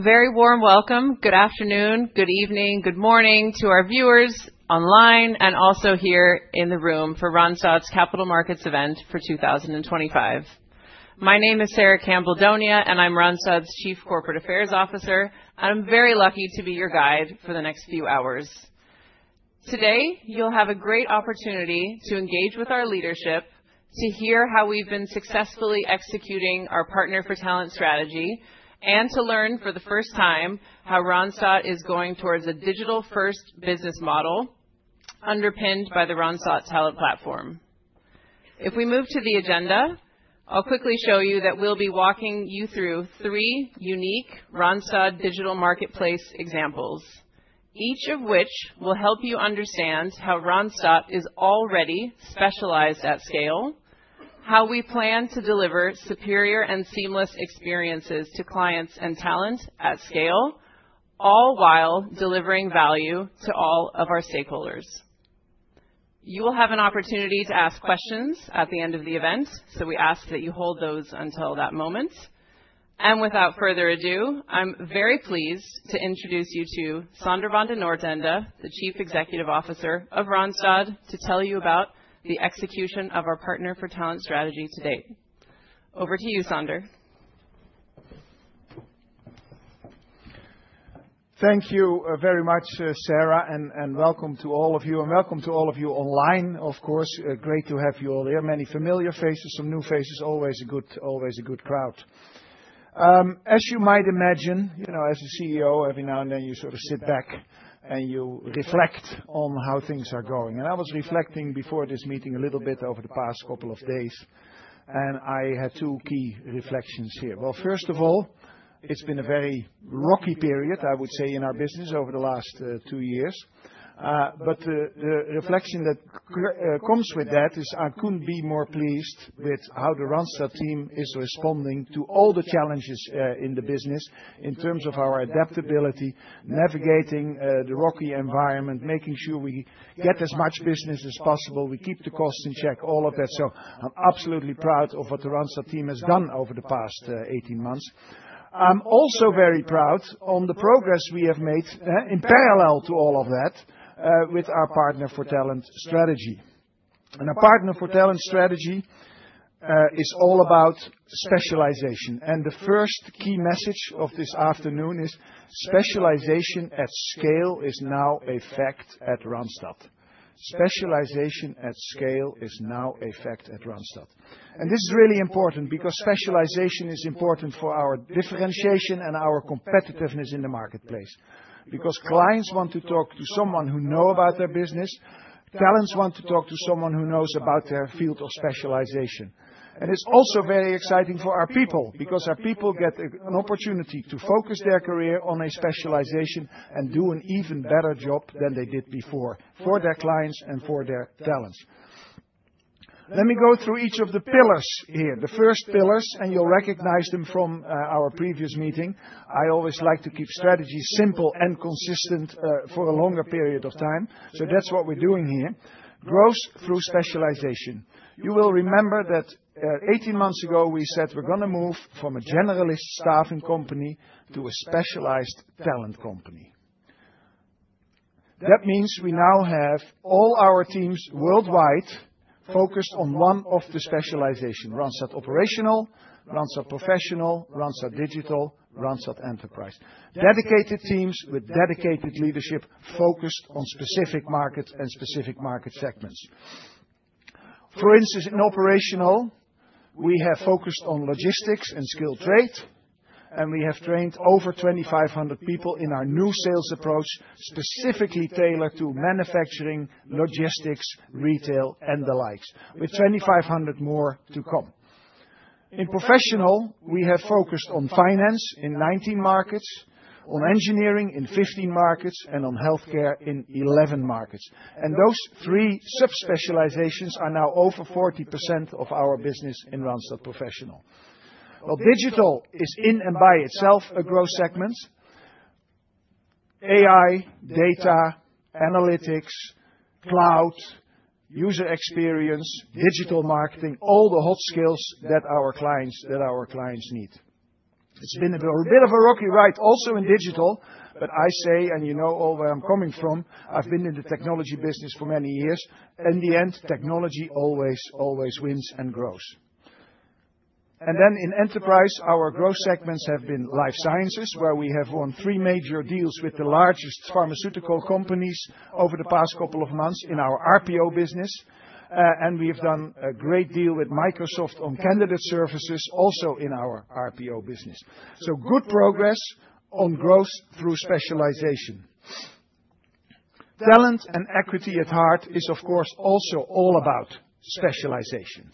A very warm welcome, good afternoon, good evening, good morning to our viewers online and also here in the room for Randstad's Capital Markets event for 2025. My name is Sarah Campbell-Donia, and I'm Randstad's Chief Corporate Affairs Officer, and I'm very lucky to be your guide for the next few hours. Today, you'll have a great opportunity to engage with our leadership, to hear how we've been successfully executing our Partner for Talent strategy, and to learn for the first time how Randstad is going towards a digital-first business model underpinned by the Randstad Talent Platform. If we move to the agenda, I'll quickly show you that we'll be walking you through three unique Randstad Digital Marketplace examples, each of which will help you understand how Randstad is already specialized at scale, how we plan to deliver superior and seamless experiences to clients and talent at scale, all while delivering value to all of our stakeholders. You will have an opportunity to ask questions at the end of the event, so we ask that you hold those until that moment. Without further ado, I'm very pleased to introduce you to Sander van 't Noordende, the Chief Executive Officer of Randstad, to tell you about the execution of our Partner for Talent strategy to date. Over to you, Sander. Thank you very much, Sarah, and welcome to all of you, and welcome to all of you online, of course. Great to have you all here. Many familiar faces, some new faces, always a good crowd. As you might imagine, as a CEO, every now and then you sort of sit back and you reflect on how things are going. I was reflecting before this meeting a little bit over the past couple of days, and I had two key reflections here. First of all, it's been a very rocky period, I would say, in our business over the last two years. The reflection that comes with that is I couldn't be more pleased with how the Randstad team is responding to all the challenges in the business in terms of our adaptability, navigating the rocky environment, making sure we get as much business as possible, we keep the costs in check, all of that. I'm absolutely proud of what the Randstad team has done over the past 18 months. I'm also very proud of the progress we have made in parallel to all of that with our Partner for Talent strategy. Our Partner for Talent strategy is all about specialization. The first key message of this afternoon is specialization at scale is now a fact at Randstad. Specialization at scale is now a fact at Randstad. This is really important because specialization is important for our differentiation and our competitiveness in the marketplace. Because clients want to talk to someone who knows about their business. Talents want to talk to someone who knows about their field of specialization. It is also very exciting for our people because our people get an opportunity to focus their career on a specialization and do an even better job than they did before for their clients and for their talents. Let me go through each of the pillars here. The first pillars, and you'll recognize them from our previous meeting. I always like to keep strategies simple and consistent for a longer period of time. That is what we're doing here. Growth through specialization. You will remember that 18 months ago we said we're going to move from a generalist staffing company to a specialized talent company. That means we now have all our teams worldwide focused on one of the specializations: Randstad Operational, Randstad Professional, Randstad Digital, Randstad Enterprise. Dedicated teams with dedicated leadership focused on specific markets and specific market segments. For instance, in Operational, we have focused on logistics and skilled trade, and we have trained over 2,500 people in our new sales approach specifically tailored to manufacturing, logistics, retail, and the likes, with 2,500 more to come. In Professional, we have focused on finance in 19 markets, on engineering in 15 markets, and on healthcare in 11 markets. Those three sub-specializations are now over 40% of our business in Randstad Professional. Digital is in and by itself a growth segment: AI, data, analytics, Cloud, user experience, digital marketing, all the hot skills that our clients need. It's been a bit of a rocky ride also in digital, but I say, and you know all where I'm coming from, I've been in the technology business for many years. In the end, technology always, always wins and grows. In Enterprise, our growth segments have been life sciences, where we have won three major deals with the largest pharmaceutical companies over the past couple of months in our RPO business. We have done a great deal with Microsoft on candidate services also in our RPO business. Good progress on growth through specialization. Talent and equity at heart is, of course, also all about specialization.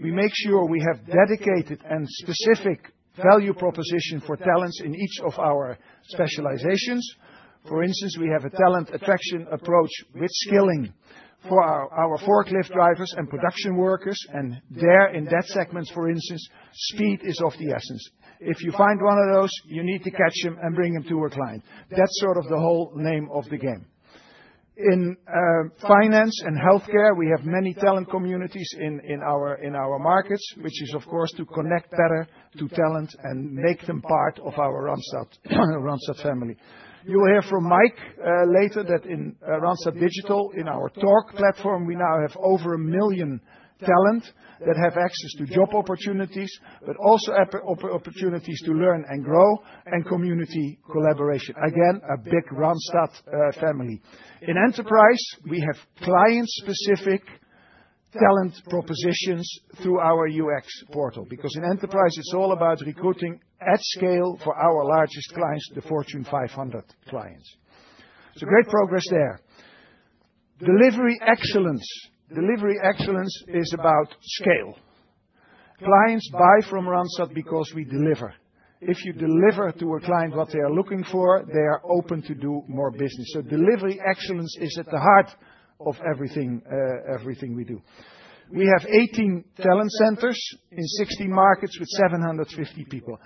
We make sure we have dedicated and specific value propositions for talents in each of our specializations. For instance, we have a talent attraction approach with skilling for our forklift drivers and production workers. There, in that segment, for instance, speed is of the essence. If you find one of those, you need to catch them and bring them to our client. That's sort of the whole name of the game. In finance and healthcare, we have many talent communities in our markets, which is, of course, to connect better to talent and make them part of our Randstad family. You will hear from Mike later that in Randstad Digital, in our Torque platform, we now have over a million talent that have access to job opportunities, but also opportunities to learn and grow and community collaboration. Again, a big Randstad family. In Enterprise, we have client-specific talent propositions through our UX portal. Because in Enterprise, it's all about recruiting at scale for our largest clients, the Fortune 500 clients. Great progress there. Delivery excellence. Delivery excellence is about scale. Clients buy from Randstad because we deliver. If you deliver to a client what they are looking for, they are open to do more business. Delivery excellence is at the heart of everything we do. We have 18 talent centers in 60 markets with 750 people.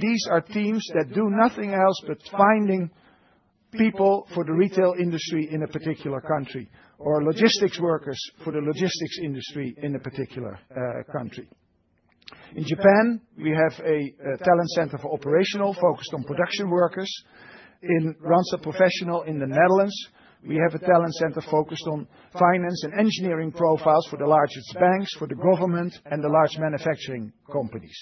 These are teams that do nothing else but finding people for the retail industry in a particular country, or logistics workers for the logistics industry in a particular country. In Japan, we have a talent center for operational focused on production workers. In Randstad Professional, in the Netherlands, we have a talent center focused on finance and engineering profiles for the largest banks, for the government, and the large manufacturing companies.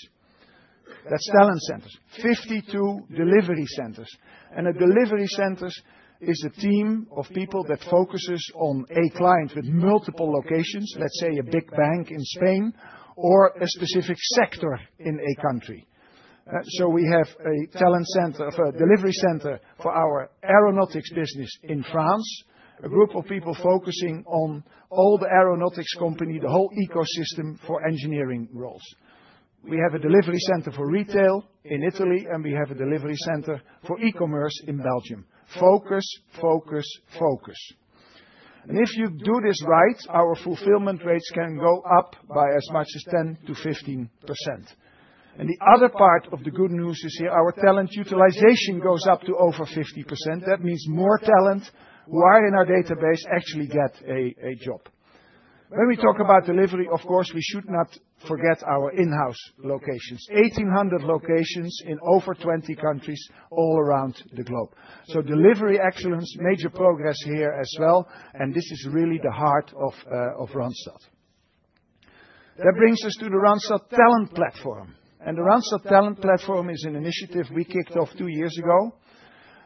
That is talent centers. 52 delivery centers. A delivery center is a team of people that focuses on a client with multiple locations, let's say a big bank in Spain, or a specific sector in a country. We have a talent center, a delivery center for our aeronautics business in France, a group of people focusing on all the aeronautics companies, the whole ecosystem for engineering roles. We have a delivery center for retail in Italy, and we have a delivery center for e-commerce in Belgium. Focus, focus, focus. If you do this right, our fulfillment rates can go up by as much as 10% to 15%. The other part of the good news is here: our talent utilization goes up to over 50%. That means more talent who are in our database actually get a job. When we talk about delivery, of course, we should not forget our in-house locations. 1,800 locations in over 20 countries all around the globe. Delivery excellence, major progress here as well. This is really the heart of Randstad. That brings us to the Randstad Talent Platform. The Randstad Talent Platform is an initiative we kicked off two years ago.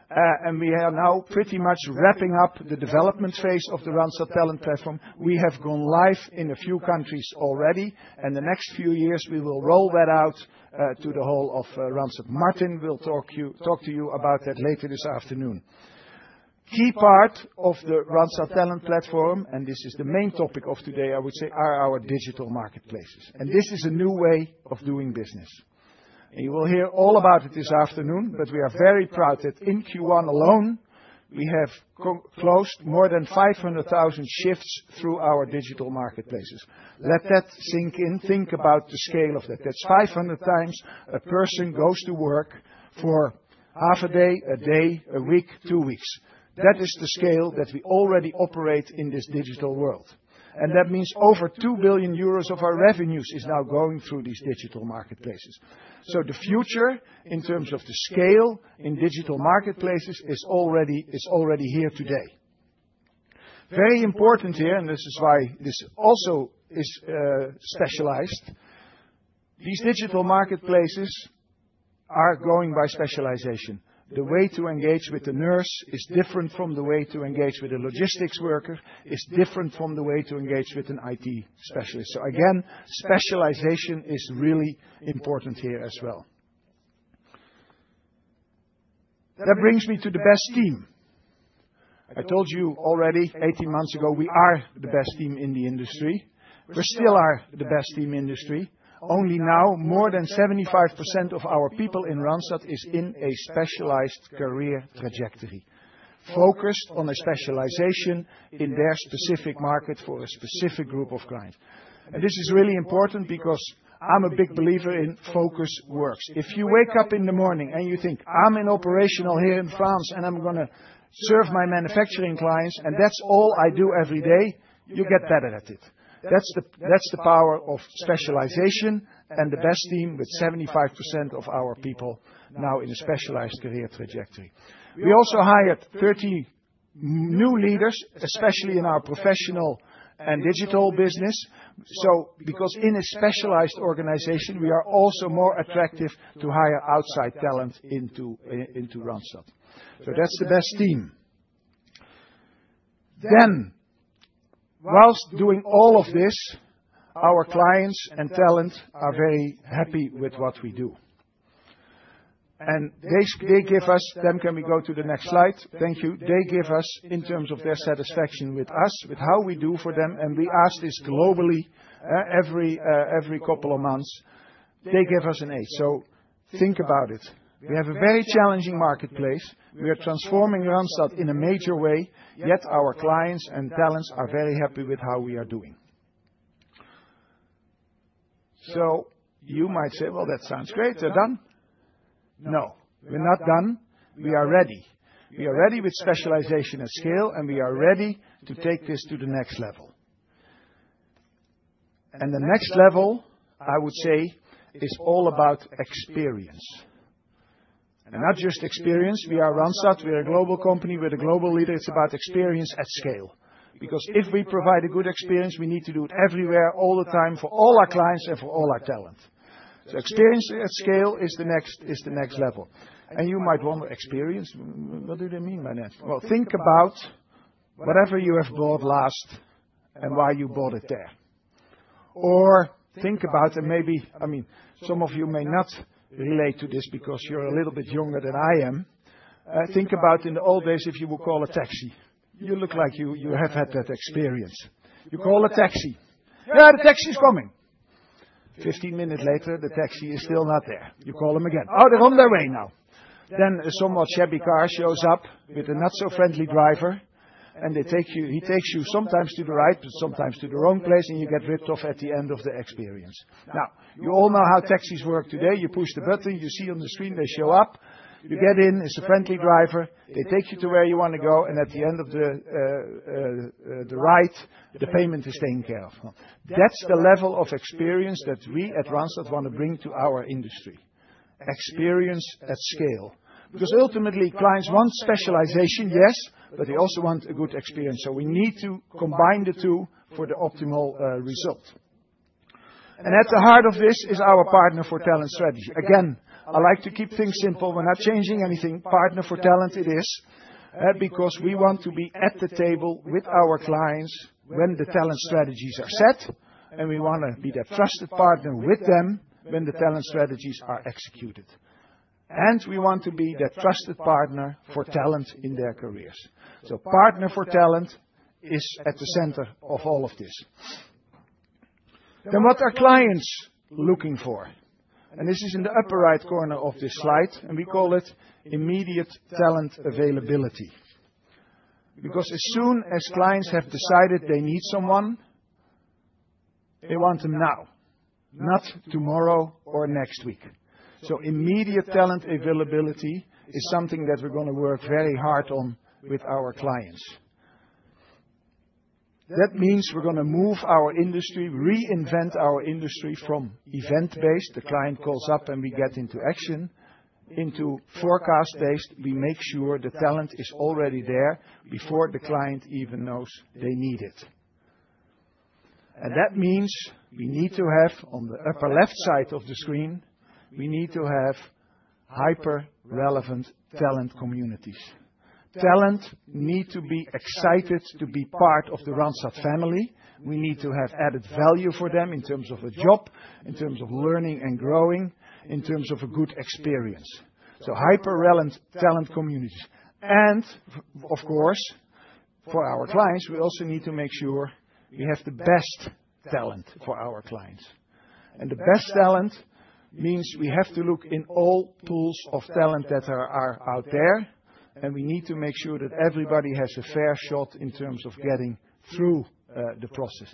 We are now pretty much wrapping up the development phase of the Randstad Talent Platform. We have gone live in a few countries already. In the next few years, we will roll that out to the whole of Randstad. Martin will talk to you about that later this afternoon. A key part of the Randstad Talent Platform, and this is the main topic of today, I would say, are our digital marketplaces. This is a new way of doing business. You will hear all about it this afternoon, but we are very proud that in Q1 alone, we have closed more than 500,000 shifts through our digital marketplaces. Let that sink in. Think about the scale of that. That's 500,000 times a person goes to work for half a day, a day, a week, two weeks. That is the scale that we already operate in this digital world. That means over 2 billion euros of our revenues is now going through these digital marketplaces. The future in terms of the scale in digital marketplaces is already here today. Very important here, and this is why this also is specialized. These digital marketplaces are going by specialization. The way to engage with a nurse is different from the way to engage with a logistics worker, is different from the way to engage with an IT specialist. Again, specialization is really important here as well. That brings me to the best team. I told you already 18 months ago we are the best team in the industry. We still are the best team in the industry. Only now, more than 75% of our people in Randstad is in a specialized career trajectory, focused on a specialization in their specific market for a specific group of clients. This is really important because I'm a big believer in focus works. If you wake up in the morning and you think, "I'm in Operational here in France, and I'm going to serve my manufacturing clients, and that's all I do every day," you get better at it. That's the power of specialization and the best team with 75% of our people now in a specialized career trajectory. We also hired 30 new leaders, especially in our professional and digital business. Because in a specialized organization, we are also more attractive to hire outside talent into Randstad. That's the best team. Whilst doing all of this, our clients and talent are very happy with what we do. They give us—can we go to the next slide? Thank you. They give us, in terms of their satisfaction with us, with how we do for them. We ask this globally every couple of months. They give us an eight. Think about it. We have a very challenging marketplace. We are transforming Randstad in a major way, yet our clients and talents are very happy with how we are doing. You might say, "Well, that sounds great. They're done." No. We're not done. We are ready. We are ready with specialization at scale, and we are ready to take this to the next level. The next level, I would say, is all about experience. Not just experience. We are Randstad. We are a global company. We are the global leader. It is about experience at scale. If we provide a good experience, we need to do it everywhere, all the time, for all our clients and for all our talent. Experience at scale is the next level. You might wonder, "Experience? What do they mean by that?" Think about whatever you have bought last and why you bought it there. Or think about, and maybe, I mean, some of you may not relate to this because you are a little bit younger than I am. Think about in the old days, if you would call a taxi. You look like you have had that experience. You call a taxi. "Yeah, the taxi's coming." Fifteen minutes later, the taxi is still not there. You call them again. "Oh, they're on their way now." Some odd Chevy car shows up with a not-so-friendly driver, and he takes you sometimes to the right, sometimes to the wrong place, and you get ripped off at the end of the experience. Now, you all know how taxis work today. You push the button, you see on the screen they show up. You get in, it's a friendly driver. They take you to where you want to go, and at the end of the ride, the payment is taken care of. That's the level of experience that we at Randstad want to bring to our industry. Experience at scale. Because ultimately, clients want specialization, yes, but they also want a good experience. We need to combine the two for the optimal result. At the heart of this is our Partner for Talent strategy. Again, I like to keep things simple. We're not changing anything. Partner for Talent, it is. We want to be at the table with our clients when the talent strategies are set, and we want to be that trusted partner with them when the talent strategies are executed. We want to be that trusted Partner for Talent in their careers. Partner for Talent is at the center of all of this. What are clients looking for? This is in the upper right corner of this slide, and we call it immediate talent availability. As soon as clients have decided they need someone, they want them now, not tomorrow or next week. Immediate talent availability is something that we're going to work very hard on with our clients. That means we're going to move our industry, reinvent our industry from event-based—the client calls up and we get into action—into forecast-based. We make sure the talent is already there before the client even knows they need it. That means we need to have, on the upper left side of the screen, we need to have hyper-relevant talent communities. Talent need to be excited to be part of the Randstad family. We need to have added value for them in terms of a job, in terms of learning and growing, in terms of a good experience. Hyper-relevant talent communities. Of course, for our clients, we also need to make sure we have the best talent for our clients. The best talent means we have to look in all pools of talent that are out there, and we need to make sure that everybody has a fair shot in terms of getting through the process.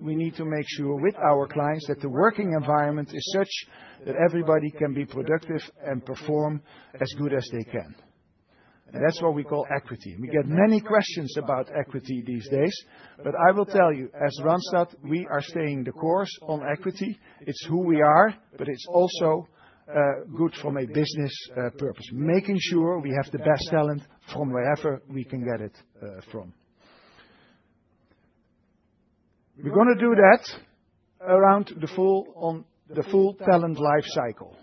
We need to make sure with our clients that the working environment is such that everybody can be productive and perform as good as they can. That is what we call equity. We get many questions about equity these days, but I will tell you, as Randstad, we are staying the course on equity. It's who we are, but it's also good from a business purpose. Making sure we have the best talent from wherever we can get it from. We're going to do that around the full talent life cycle.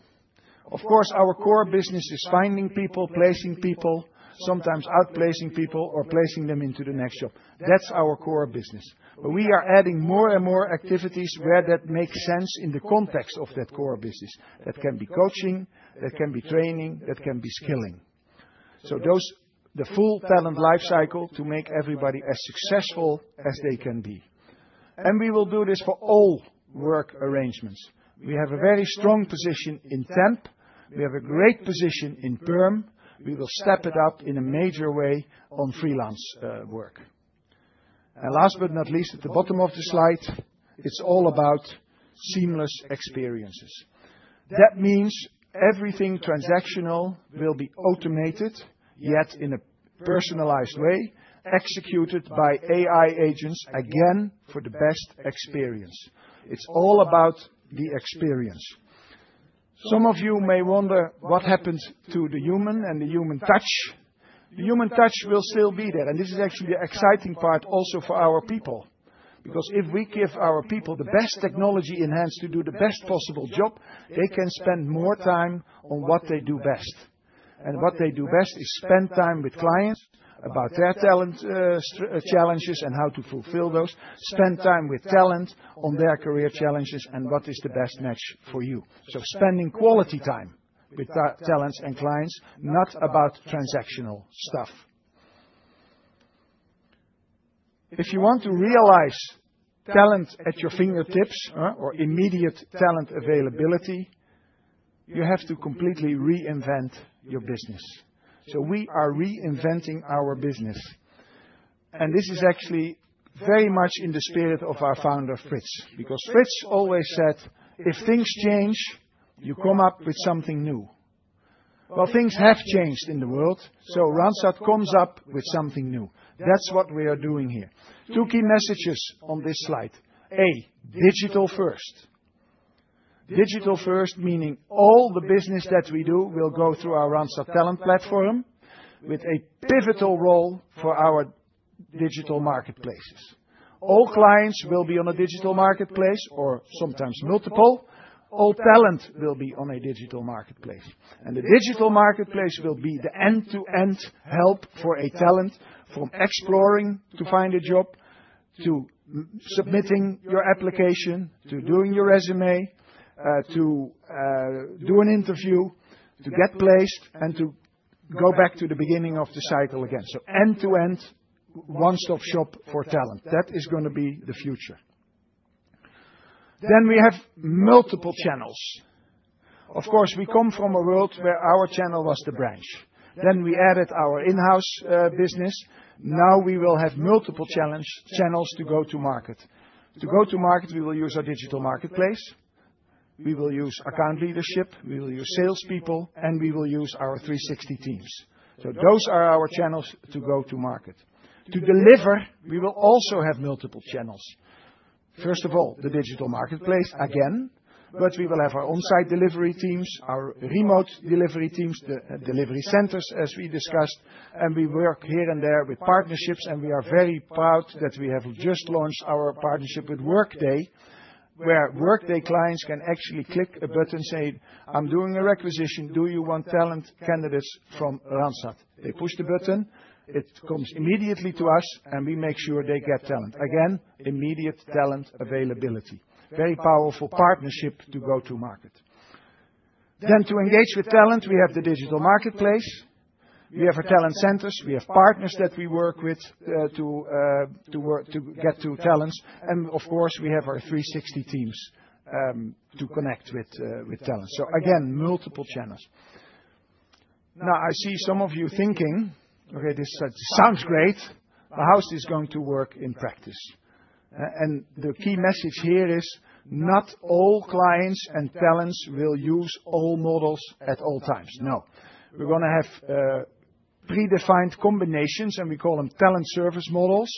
Of course, our core business is finding people, placing people, sometimes outplacing people, or placing them into the next job. That's our core business. We are adding more and more activities where that makes sense in the context of that core business. That can be coaching, that can be training, that can be skilling. The full talent life cycle to make everybody as successful as they can be. We will do this for all work arrangements. We have a very strong position in TEMP. We have a great position in PERM. We will step it up in a major way on freelance work. Last but not least, at the bottom of the slide, it's all about seamless experiences. That means everything transactional will be automated, yet in a personalized way, executed by AI agents, again, for the best experience. It's all about the experience. Some of you may wonder what happened to the human and the human touch. The human touch will still be there. This is actually the exciting part also for our people. Because if we give our people the best technology in hands to do the best possible job, they can spend more time on what they do best. What they do best is spend time with clients about their talent challenges and how to fulfill those, spend time with talent on their career challenges, and what is the best match for you. Spending quality time with talents and clients, not about transactional stuff. If you want to realize talent at your fingertips or immediate talent availability, you have to completely reinvent your business. We are reinventing our business. This is actually very much in the spirit of our founder, Fritz. Because Fritz always said, "If things change, you come up with something new." Things have changed in the world, so Randstad comes up with something new. That is what we are doing here. Two key messages on this slide. A, digital first. Digital first meaning all the business that we do will go through our Randstad Talent Platform with a pivotal role for our digital marketplaces. All clients will be on a digital marketplace or sometimes multiple. All talent will be on a digital marketplace. The digital marketplace will be the end-to-end help for a talent from exploring to find a job, to submitting your application, to doing your resume, to do an interview, to get placed, and to go back to the beginning of the cycle again. End-to-end, one-stop shop for talent. That is going to be the future. We have multiple channels. Of course, we come from a world where our channel was the branch. Then we added our in-house business. Now we will have multiple channels to go-to-market. To go-to-market, we will use our digital marketplace. We will use account leadership. We will use salespeople, and we will use our 360 teams. Those are our channels to go-to-market. To deliver, we will also have multiple channels. First of all, the digital marketplace, again, but we will have our on-site delivery teams, our remote delivery teams, the delivery centers, as we discussed, and we work here and there with partnerships, and we are very proud that we have just launched our partnership with Workday, where Workday clients can actually click a button saying, "I'm doing a requisition. Do you want talent candidates from Randstad?" They push the button, it comes immediately to us, and we make sure they get talent. Again, immediate talent availability. Very powerful partnership to go-to-market. To engage with talent, we have the digital marketplace. We have our talent centers. We have partners that we work with to get to talents. Of course, we have our 360 teams to connect with talents. Again, multiple channels. I see some of you thinking, "Okay, this sounds great. How is this going to work in practice?" The key message here is not all clients and talents will use all models at all times. No. We are going to have predefined combinations, and we call them talent service models,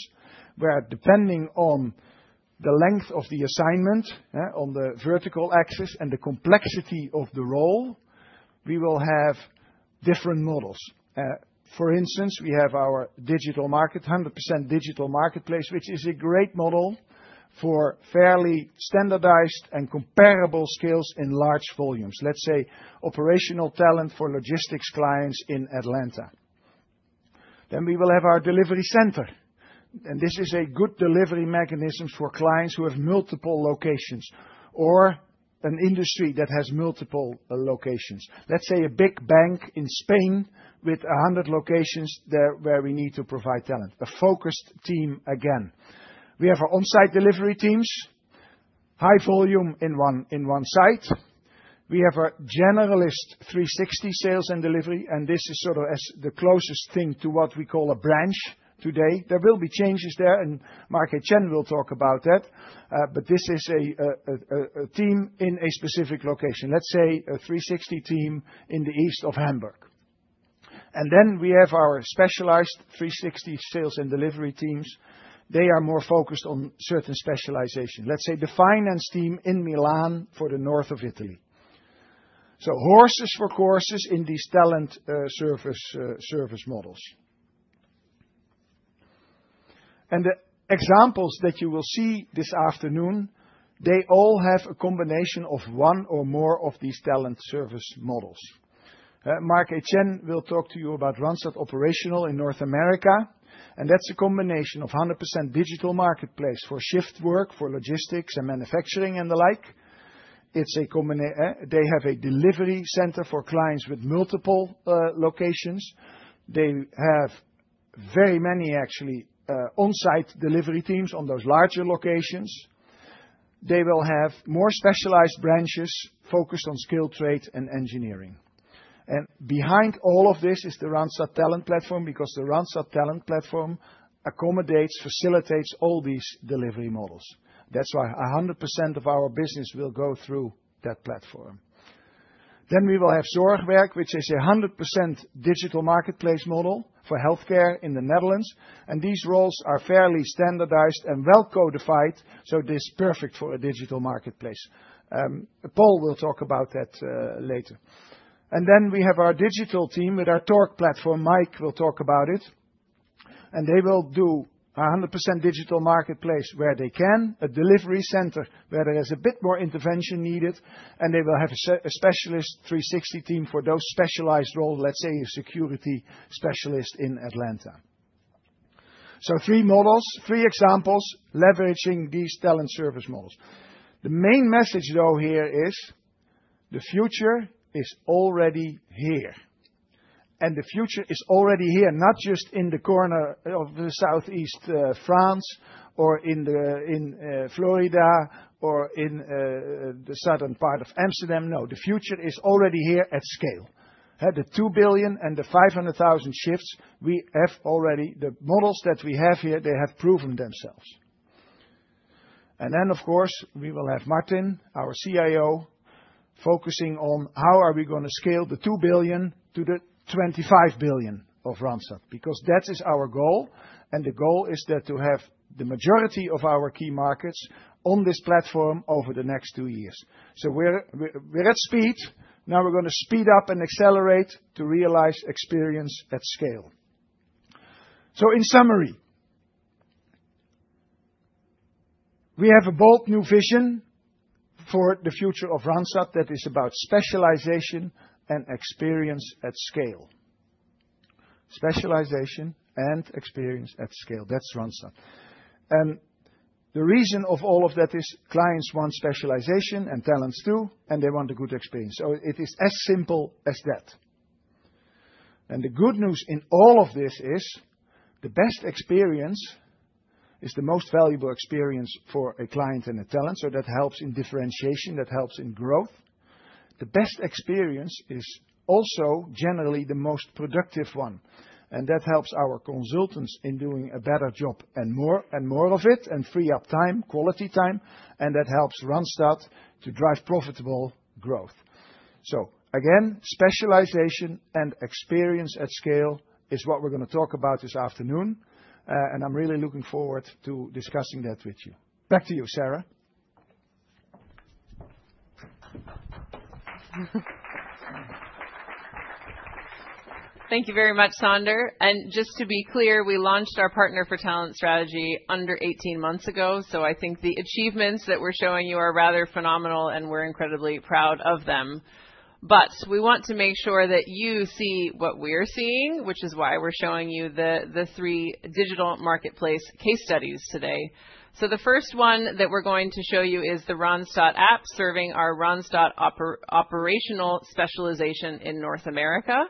where depending on the length of the assignment, on the vertical axis and the complexity of the role, we will have different models. For instance, we have our digital market, 100% digital marketplace, which is a great model for fairly standardized and comparable skills in large volumes. Let's say operational talent for logistics clients in Atlanta. We will have our delivery center. This is a good delivery mechanism for clients who have multiple locations or an industry that has multiple locations. Let's say a big bank in Spain with 100 locations where we need to provide talent. A focused team, again. We have our on-site delivery teams, high volume in one site. We have our generalist 360 sales and delivery, and this is sort of the closest thing to what we call a branch today. There will be changes there, and Marc-Etienne will talk about that, but this is a team in a specific location. Let's say a 360 team in the east of Hamburg. We have our specialized 360 sales and delivery teams. They are more focused on certain specializations. Let's say the finance team in Milan for the north of Italy. Horses for courses in these talent service models. The examples that you will see this afternoon, they all have a combination of one or more of these talent service models. Marc-Etienne will talk to you about Randstad Operational in North America, and that's a combination of 100% digital marketplace for shift work, for logistics and manufacturing and the like. They have a delivery center for clients with multiple locations. They have very many, actually, on-site delivery teams on those larger locations. They will have more specialized branches focused on skilled trade and engineering. Behind all of this is the Randstad Talent Platform because the Randstad Talent Platform accommodates, facilitates all these delivery models. That's why 100% of our business will go through that platform. We will have Zorgwerk, which is a 100% digital marketplace model for healthcare in the Netherlands. These roles are fairly standardized and well-codified, so it is perfect for a digital marketplace. Paul will talk about that later. We have our digital team with our Torque platform. Mike will talk about it. They will do a 100% digital marketplace where they can, a delivery center where there is a bit more intervention needed, and they will have a specialist 360 team for those specialized roles, let's say a security specialist in Atlanta. Three models, three examples leveraging these talent service models. The main message, though, here is the future is already here. The future is already here, not just in the corner of southeast France or in Florida or in the southern part of Amsterdam. No, the future is already here at scale. The 2 billion and the 500,000 shifts, we have already the models that we have here, they have proven themselves. Of course, we will have Martin, our CIO, focusing on how are we going to scale the 2 billion to the 25 billion of Randstad because that is our goal. The goal is to have the majority of our key markets on this platform over the next two years. We're at speed. Now we're going to speed up and accelerate to realize experience at scale. In summary, we have a bold new vision for the future of Randstad that is about specialization and experience at scale. Specialization and experience at scale. That's Randstad. The reason of all of that is clients want specialization and talents too, and they want a good experience. It is as simple as that. The good news in all of this is the best experience is the most valuable experience for a client and a talent. That helps in differentiation, that helps in growth. The best experience is also generally the most productive one. That helps our consultants in doing a better job and more of it and free up time, quality time. That helps Randstad to drive profitable growth. Again, specialization and experience at scale is what we're going to talk about this afternoon. I'm really looking forward to discussing that with you. Back to you, Sarah. Thank you very much, Sander. Just to be clear, we launched our Partner for Talent strategy under 18 months ago. I think the achievements that we're showing you are rather phenomenal, and we're incredibly proud of them. We want to make sure that you see what we're seeing, which is why we're showing you the three digital marketplace case studies today. The first one that we're going to show you is the Randstad App serving our Randstad operational specialization in North America.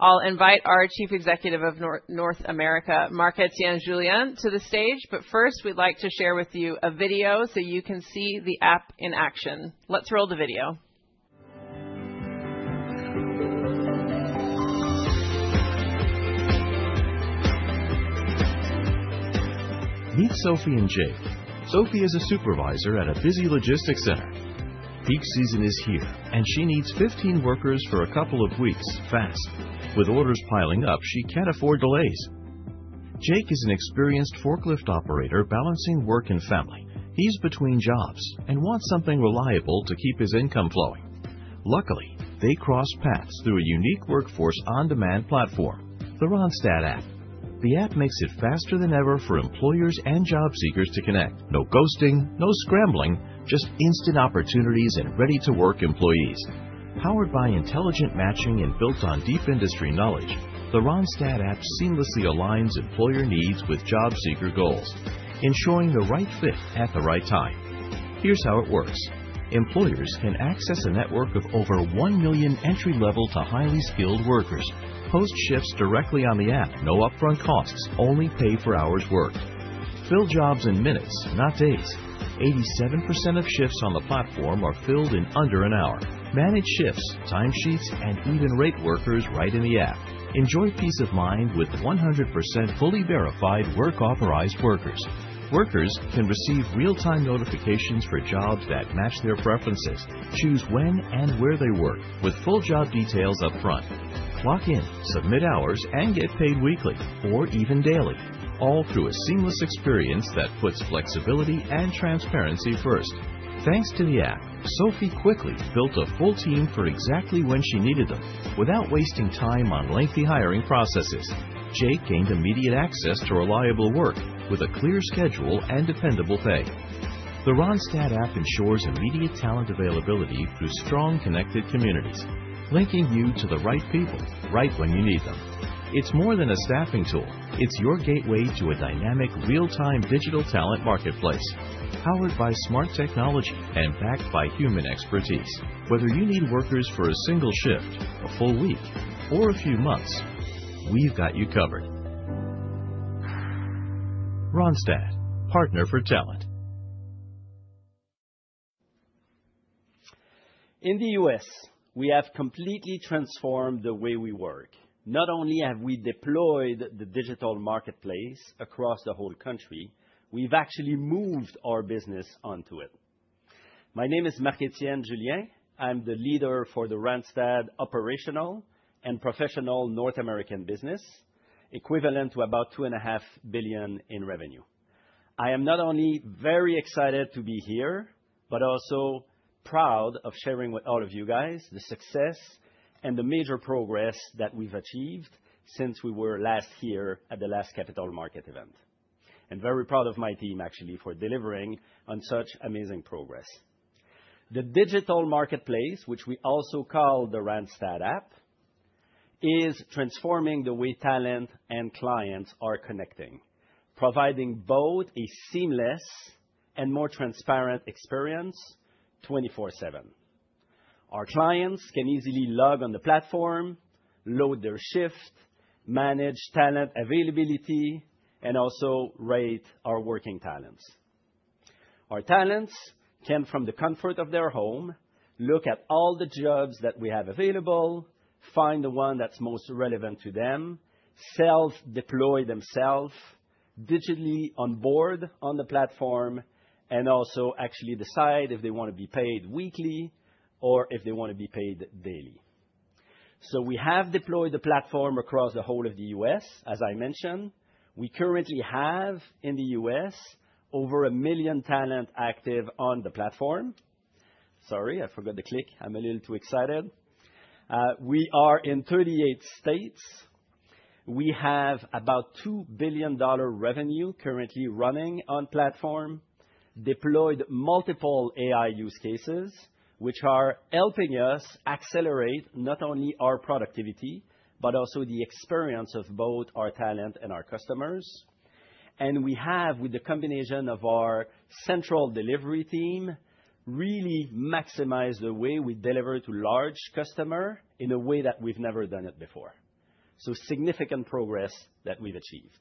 I'll invite our Chief Executive of North America, Marc-Etienne Julien, to the stage. First, we'd like to share with you a video so you can see the app in action. Let's roll the video. Meet Sophie and Jake. Sophie is a supervisor at a busy logistics center. Peak season is here, and she needs 15 workers for a couple of weeks, fast. With orders piling up, she can't afford delays. Jake is an experienced forklift operator balancing work and family. He's between jobs and wants something reliable to keep his income flowing. Luckily, they crossed paths through a unique workforce on-demand platform, the Randstad app. The app makes it faster than ever for employers and job seekers to connect. No ghosting, no scrambling, just instant opportunities and ready-to-work employees. Powered by intelligent matching and built on deep industry knowledge, the Randstad app seamlessly aligns employer needs with job seeker goals, ensuring the right fit at the right time. Here's how it works. Employers can access a network of over 1 million entry-level to highly skilled workers, post shifts directly on the app, no upfront costs, only pay for hours worked. Fill jobs in minutes, not days. 87% of shifts on the platform are filled in under an hour. Manage shifts, time sheets, and even rate workers right in the app. Enjoy peace of mind with 100% fully verified work authorized workers. Workers can receive real-time notifications for jobs that match their preferences, choose when and where they work, with full job details upfront. Clock in, submit hours, and get paid weekly or even daily, all through a seamless experience that puts flexibility and transparency first. Thanks to the app, Sophie quickly built a full team for exactly when she needed them without wasting time on lengthy hiring processes. Jake gained immediate access to reliable work with a clear schedule and dependable pay. The Randstad app ensures immediate talent availability through strong connected communities, linking you to the right people right when you need them. It is more than a staffing tool. It is your gateway to a dynamic, real-time digital talent marketplace, powered by smart technology and backed by human expertise. Whether you need workers for a single shift, a full week, or a few months, we've got you covered. Randstad, Partner for Talent. In the U.S., we have completely transformed the way we work. Not only have we deployed the digital marketplace across the whole country, we've actually moved our business onto it. My name is Marc-Etienne Julien. I'm the leader for the Randstad operational and professional North American business, equivalent to about $2.5 billion in revenue. I am not only very excited to be here, but also proud of sharing with all of you guys the success and the major progress that we've achieved since we were last here at the last capital market event. I am very proud of my team, actually, for delivering on such amazing progress. The digital marketplace, which we also call the Randstad app, is transforming the way talent and clients are connecting, providing both a seamless and more transparent experience 24/7. Our clients can easily log on the platform, load their shift, manage talent availability, and also rate our working talents. Our talents can, from the comfort of their home, look at all the jobs that we have available, find the one that's most relevant to them, self-deploy themselves, digitally onboard on the platform, and also actually decide if they want to be paid weekly or if they want to be paid daily. We have deployed the platform across the whole of the U.S., as I mentioned. We currently have in the U.S. over a million talent active on the platform. Sorry, I forgot the click. I'm a little too excited. We are in 38 states. We have about $2 billion revenue currently running on the platform, deployed multiple AI use cases, which are helping us accelerate not only our productivity, but also the experience of both our talent and our customers. We have, with the combination of our central delivery team, really maximized the way we deliver to large customers in a way that we've never done it before. Significant progress that we've achieved.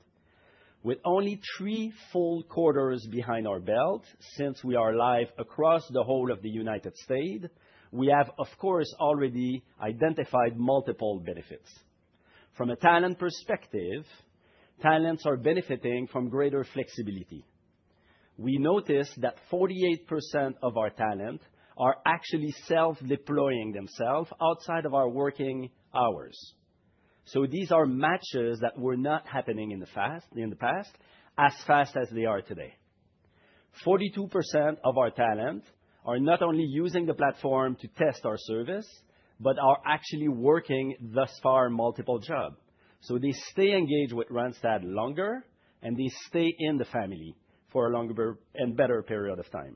With only three full quarters behind our belt since we are live across the whole of the United States, we have, of course, already identified multiple benefits. From a talent perspective, talents are benefiting from greater flexibility. We noticed that 48% of our talent are actually self-deploying themselves outside of our working hours. These are matches that were not happening in the past as fast as they are today. 42% of our talent are not only using the platform to test our service, but are actually working thus far multiple jobs. They stay engaged with Randstad longer, and they stay in the family for a longer and better period of time.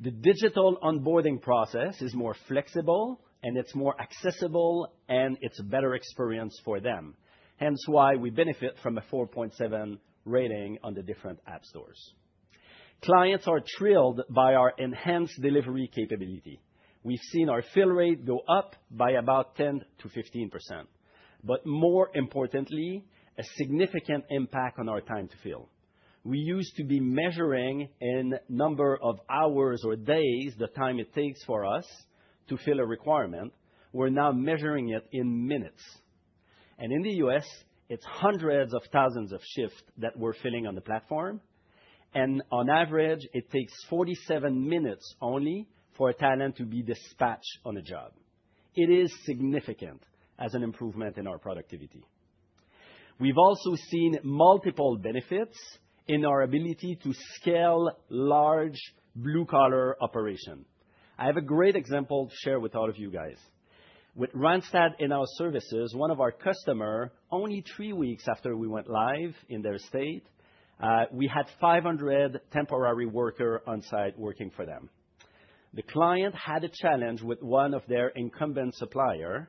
The digital onboarding process is more flexible, and it's more accessible, and it's a better experience for them. Hence why we benefit from a 4.7 rating on the different app stores. Clients are thrilled by our enhanced delivery capability. We've seen our fill rate go up by about 10% to 15%. More importantly, a significant impact on our time to fill. We used to be measuring in number of hours or days the time it takes for us to fill a requirement. We're now measuring it in minutes. In the U.S., it's hundreds of thousands of shifts that we're filling on the platform. On average, it takes 47 minutes only for a talent to be dispatched on a job. It is significant as an improvement in our productivity. We have also seen multiple benefits in our ability to scale large blue-collar operations. I have a great example to share with all of you guys. With Randstad in our services, one of our customers, only three weeks after we went live in their state, we had 500 temporary workers on site working for them. The client had a challenge with one of their incumbent suppliers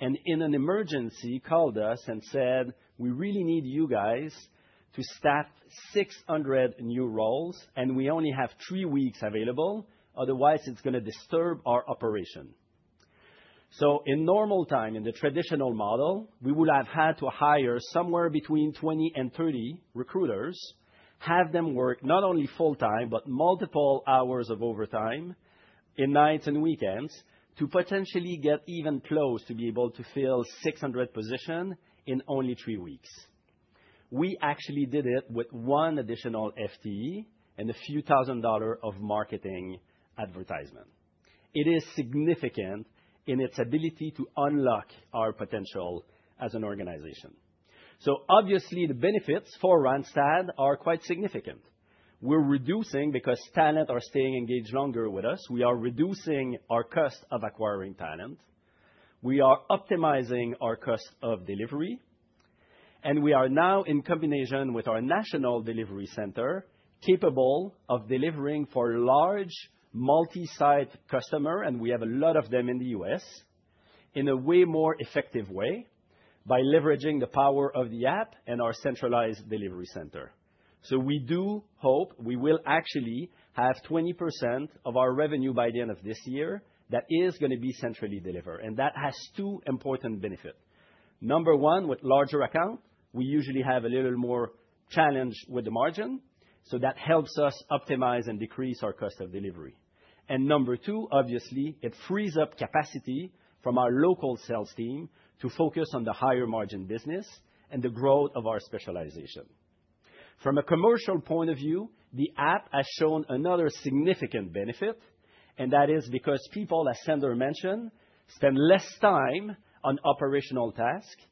and in an emergency called us and said, "We really need you guys to staff 600 new roles, and we only have three weeks available. Otherwise, it's going to disturb our operation." In normal time, in the traditional model, we would have had to hire somewhere between 20 and 30 recruiters, have them work not only full-time, but multiple hours of overtime in nights and weekends to potentially get even close to be able to fill 600 positions in only three weeks. We actually did it with one additional FTE and a few thousand dollars of marketing advertisement. It is significant in its ability to unlock our potential as an organization. Obviously, the benefits for Randstad are quite significant. We're reducing because talents are staying engaged longer with us. We are reducing our cost of acquiring talent. We are optimizing our cost of delivery. We are now, in combination with our national delivery center, capable of delivering for large multi-site customers, and we have a lot of them in the U.S., in a way more effective way by leveraging the power of the app and our centralized delivery center. We do hope we will actually have 20% of our revenue by the end of this year that is going to be centrally delivered. That has two important benefits. Number one, with larger accounts, we usually have a little more challenge with the margin. That helps us optimize and decrease our cost of delivery. Number two, obviously, it frees up capacity from our local sales team to focus on the higher margin business and the growth of our specialization. From a commercial point of view, the app has shown another significant benefit, and that is because people, as Sander mentioned, spend less time on operational tasks.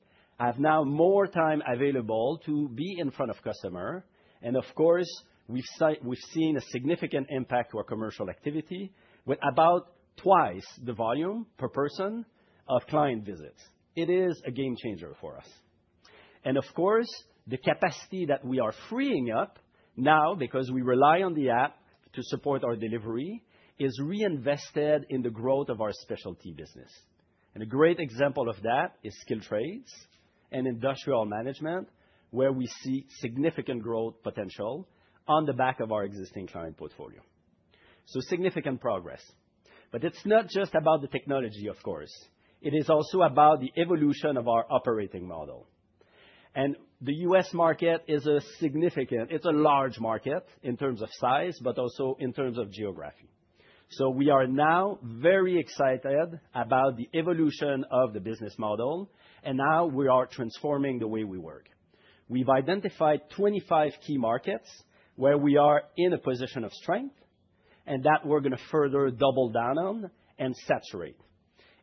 I have now more time available to be in front of customers. Of course, we've seen a significant impact to our commercial activity with about twice the volume per person of client visits. It is a game changer for us. The capacity that we are freeing up now because we rely on the app to support our delivery is reinvested in the growth of our specialty business. A great example of that is Skilltrades and industrial management, where we see significant growth potential on the back of our existing client portfolio. Significant progress. It is not just about the technology, of course. It is also about the evolution of our operating model. The U.S. market is a significant—it's a large market in terms of size, but also in terms of geography. We are now very excited about the evolution of the business model. Now we are transforming the way we work. We've identified 25 key markets where we are in a position of strength, and that we're going to further double down on and saturate.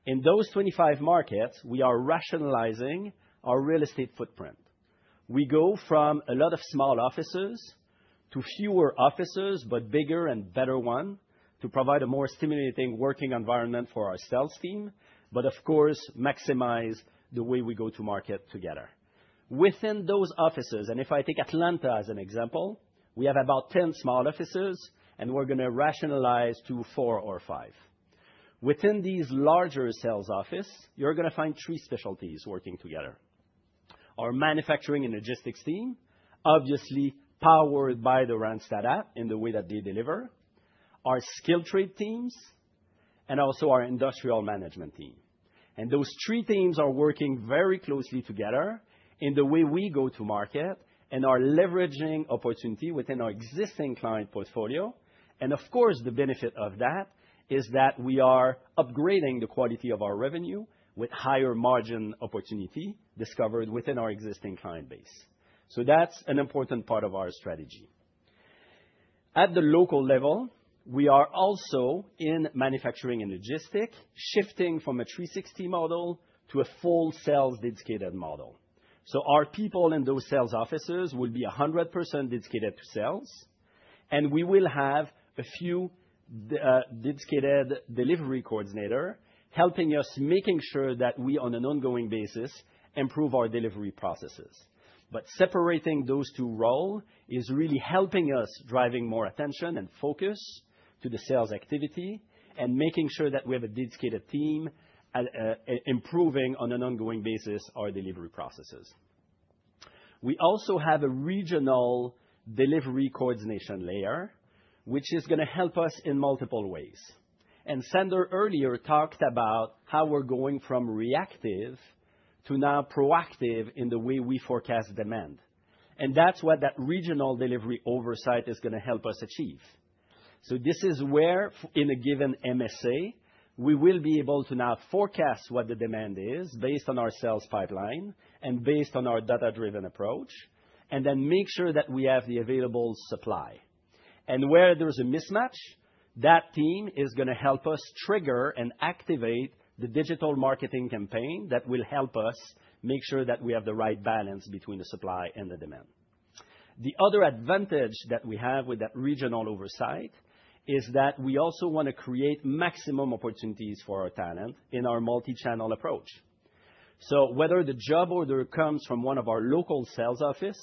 In those 25 markets, we are rationalizing our real estate footprint. We go from a lot of small offices to fewer offices, but bigger and better ones to provide a more stimulating working environment for our sales team, but of course, maximize the way we go-to-market together. Within those offices, and if I take Atlanta as an example, we have about 10 small offices, and we're going to rationalize to four or five. Within these larger sales offices, you're going to find three specialties working together: our manufacturing and logistics team, obviously powered by the Randstad App in the way that they deliver; our Skilltrade teams; and also our industrial management team. Those three teams are working very closely together in the way we go-to-market and are leveraging opportunity within our existing client portfolio. The benefit of that is that we are upgrading the quality of our revenue with higher margin opportunity discovered within our existing client base. That is an important part of our strategy. At the local level, we are also in manufacturing and logistics, shifting from a 360 model to a full sales dedicated model. Our people in those sales offices will be 100% dedicated to sales. We will have a few dedicated delivery coordinators helping us, making sure that we on an ongoing basis improve our delivery processes. Separating those two roles is really helping us, driving more attention and focus to the sales activity and making sure that we have a dedicated team improving on an ongoing basis our delivery processes. We also have a regional delivery coordination layer, which is going to help us in multiple ways. Sanders earlier talked about how we're going from reactive to now proactive in the way we forecast demand. That regional delivery oversight is going to help us achieve this. This is where, in a given MSA, we will be able to now forecast what the demand is based on our sales pipeline and based on our data-driven approach, and then make sure that we have the available supply. Where there's a mismatch, that team is going to help us trigger and activate the digital marketing campaign that will help us make sure that we have the right balance between the supply and the demand. The other advantage that we have with that regional oversight is that we also want to create maximum opportunities for our talent in our multi-channel approach. Whether the job order comes from one of our local sales offices,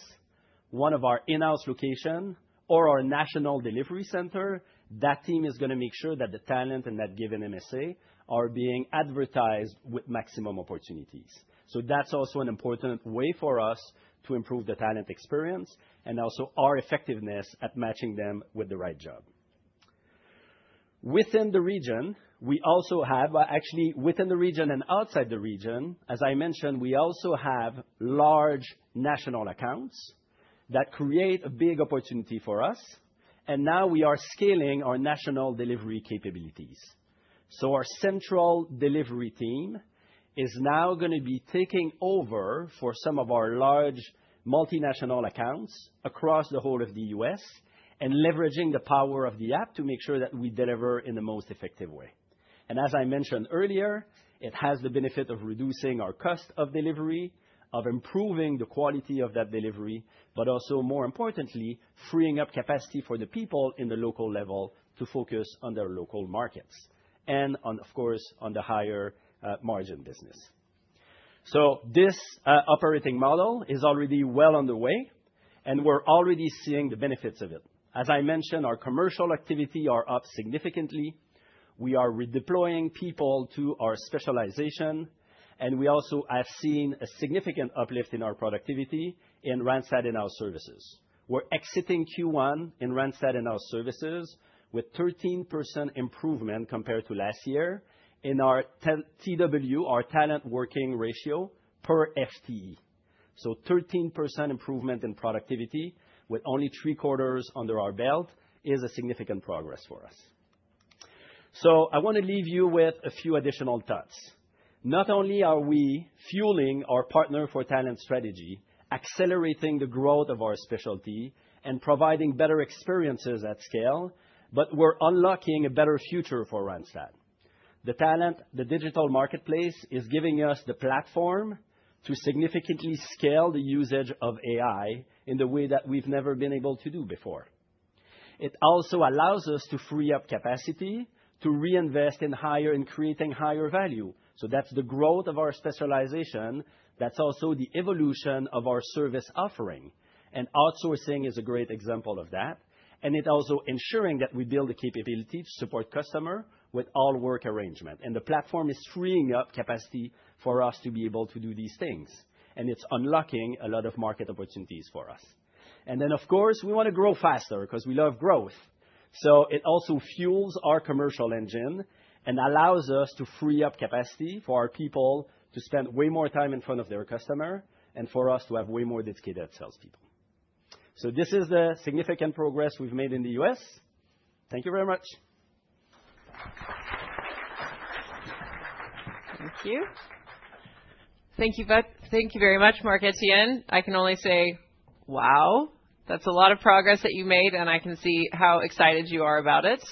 one of our in-house locations, or our national delivery center, that team is going to make sure that the talent in that given MSA are being advertised with maximum opportunities. That's also an important way for us to improve the talent experience and also our effectiveness at matching them with the right job. Within the region, we also have actually within the region and outside the region, as I mentioned, we also have large national accounts that create a big opportunity for us. Now we are scaling our national delivery capabilities. Our central delivery team is now going to be taking over for some of our large multinational accounts across the whole of the U.S. and leveraging the power of the app to make sure that we deliver in the most effective way. As I mentioned earlier, it has the benefit of reducing our cost of delivery, of improving the quality of that delivery, but also, more importantly, freeing up capacity for the people in the local level to focus on their local markets and, of course, on the higher margin business. This operating model is already well on the way, and we're already seeing the benefits of it. As I mentioned, our commercial activity is up significantly. We are redeploying people to our specialization, and we also have seen a significant uplift in our productivity in Randstad in-house services. We are exiting Q1 in Randstad in-house services with 13% improvement compared to last year in our TW, our talent working ratio per FTE. 13% improvement in productivity with only three quarters under our belt is a significant progress for us. I want to leave you with a few additional thoughts. Not only are we fueling our Partner for Talent strategy, accelerating the growth of our specialty, and providing better experiences at scale, but we are unlocking a better future for Randstad. The talent, the digital marketplace is giving us the platform to significantly scale the usage of AI in the way that we have never been able to do before. It also allows us to free up capacity to reinvest in creating higher value. That is the growth of our specialization. That is also the evolution of our service offering. Outsourcing is a great example of that. It also ensures that we build a capability to support customers with all work arrangements. The platform is freeing up capacity for us to be able to do these things. It is unlocking a lot of market opportunities for us. Of course, we want to grow faster because we love growth. It also fuels our commercial engine and allows us to free up capacity for our people to spend way more time in front of their customers and for us to have way more dedicated salespeople. This is the significant progress we have made in the U.S. Thank you very much. Thank you. Thank you very much, Marc-Etienne. I can only say, wow, that's a lot of progress that you made, and I can see how excited you are about it.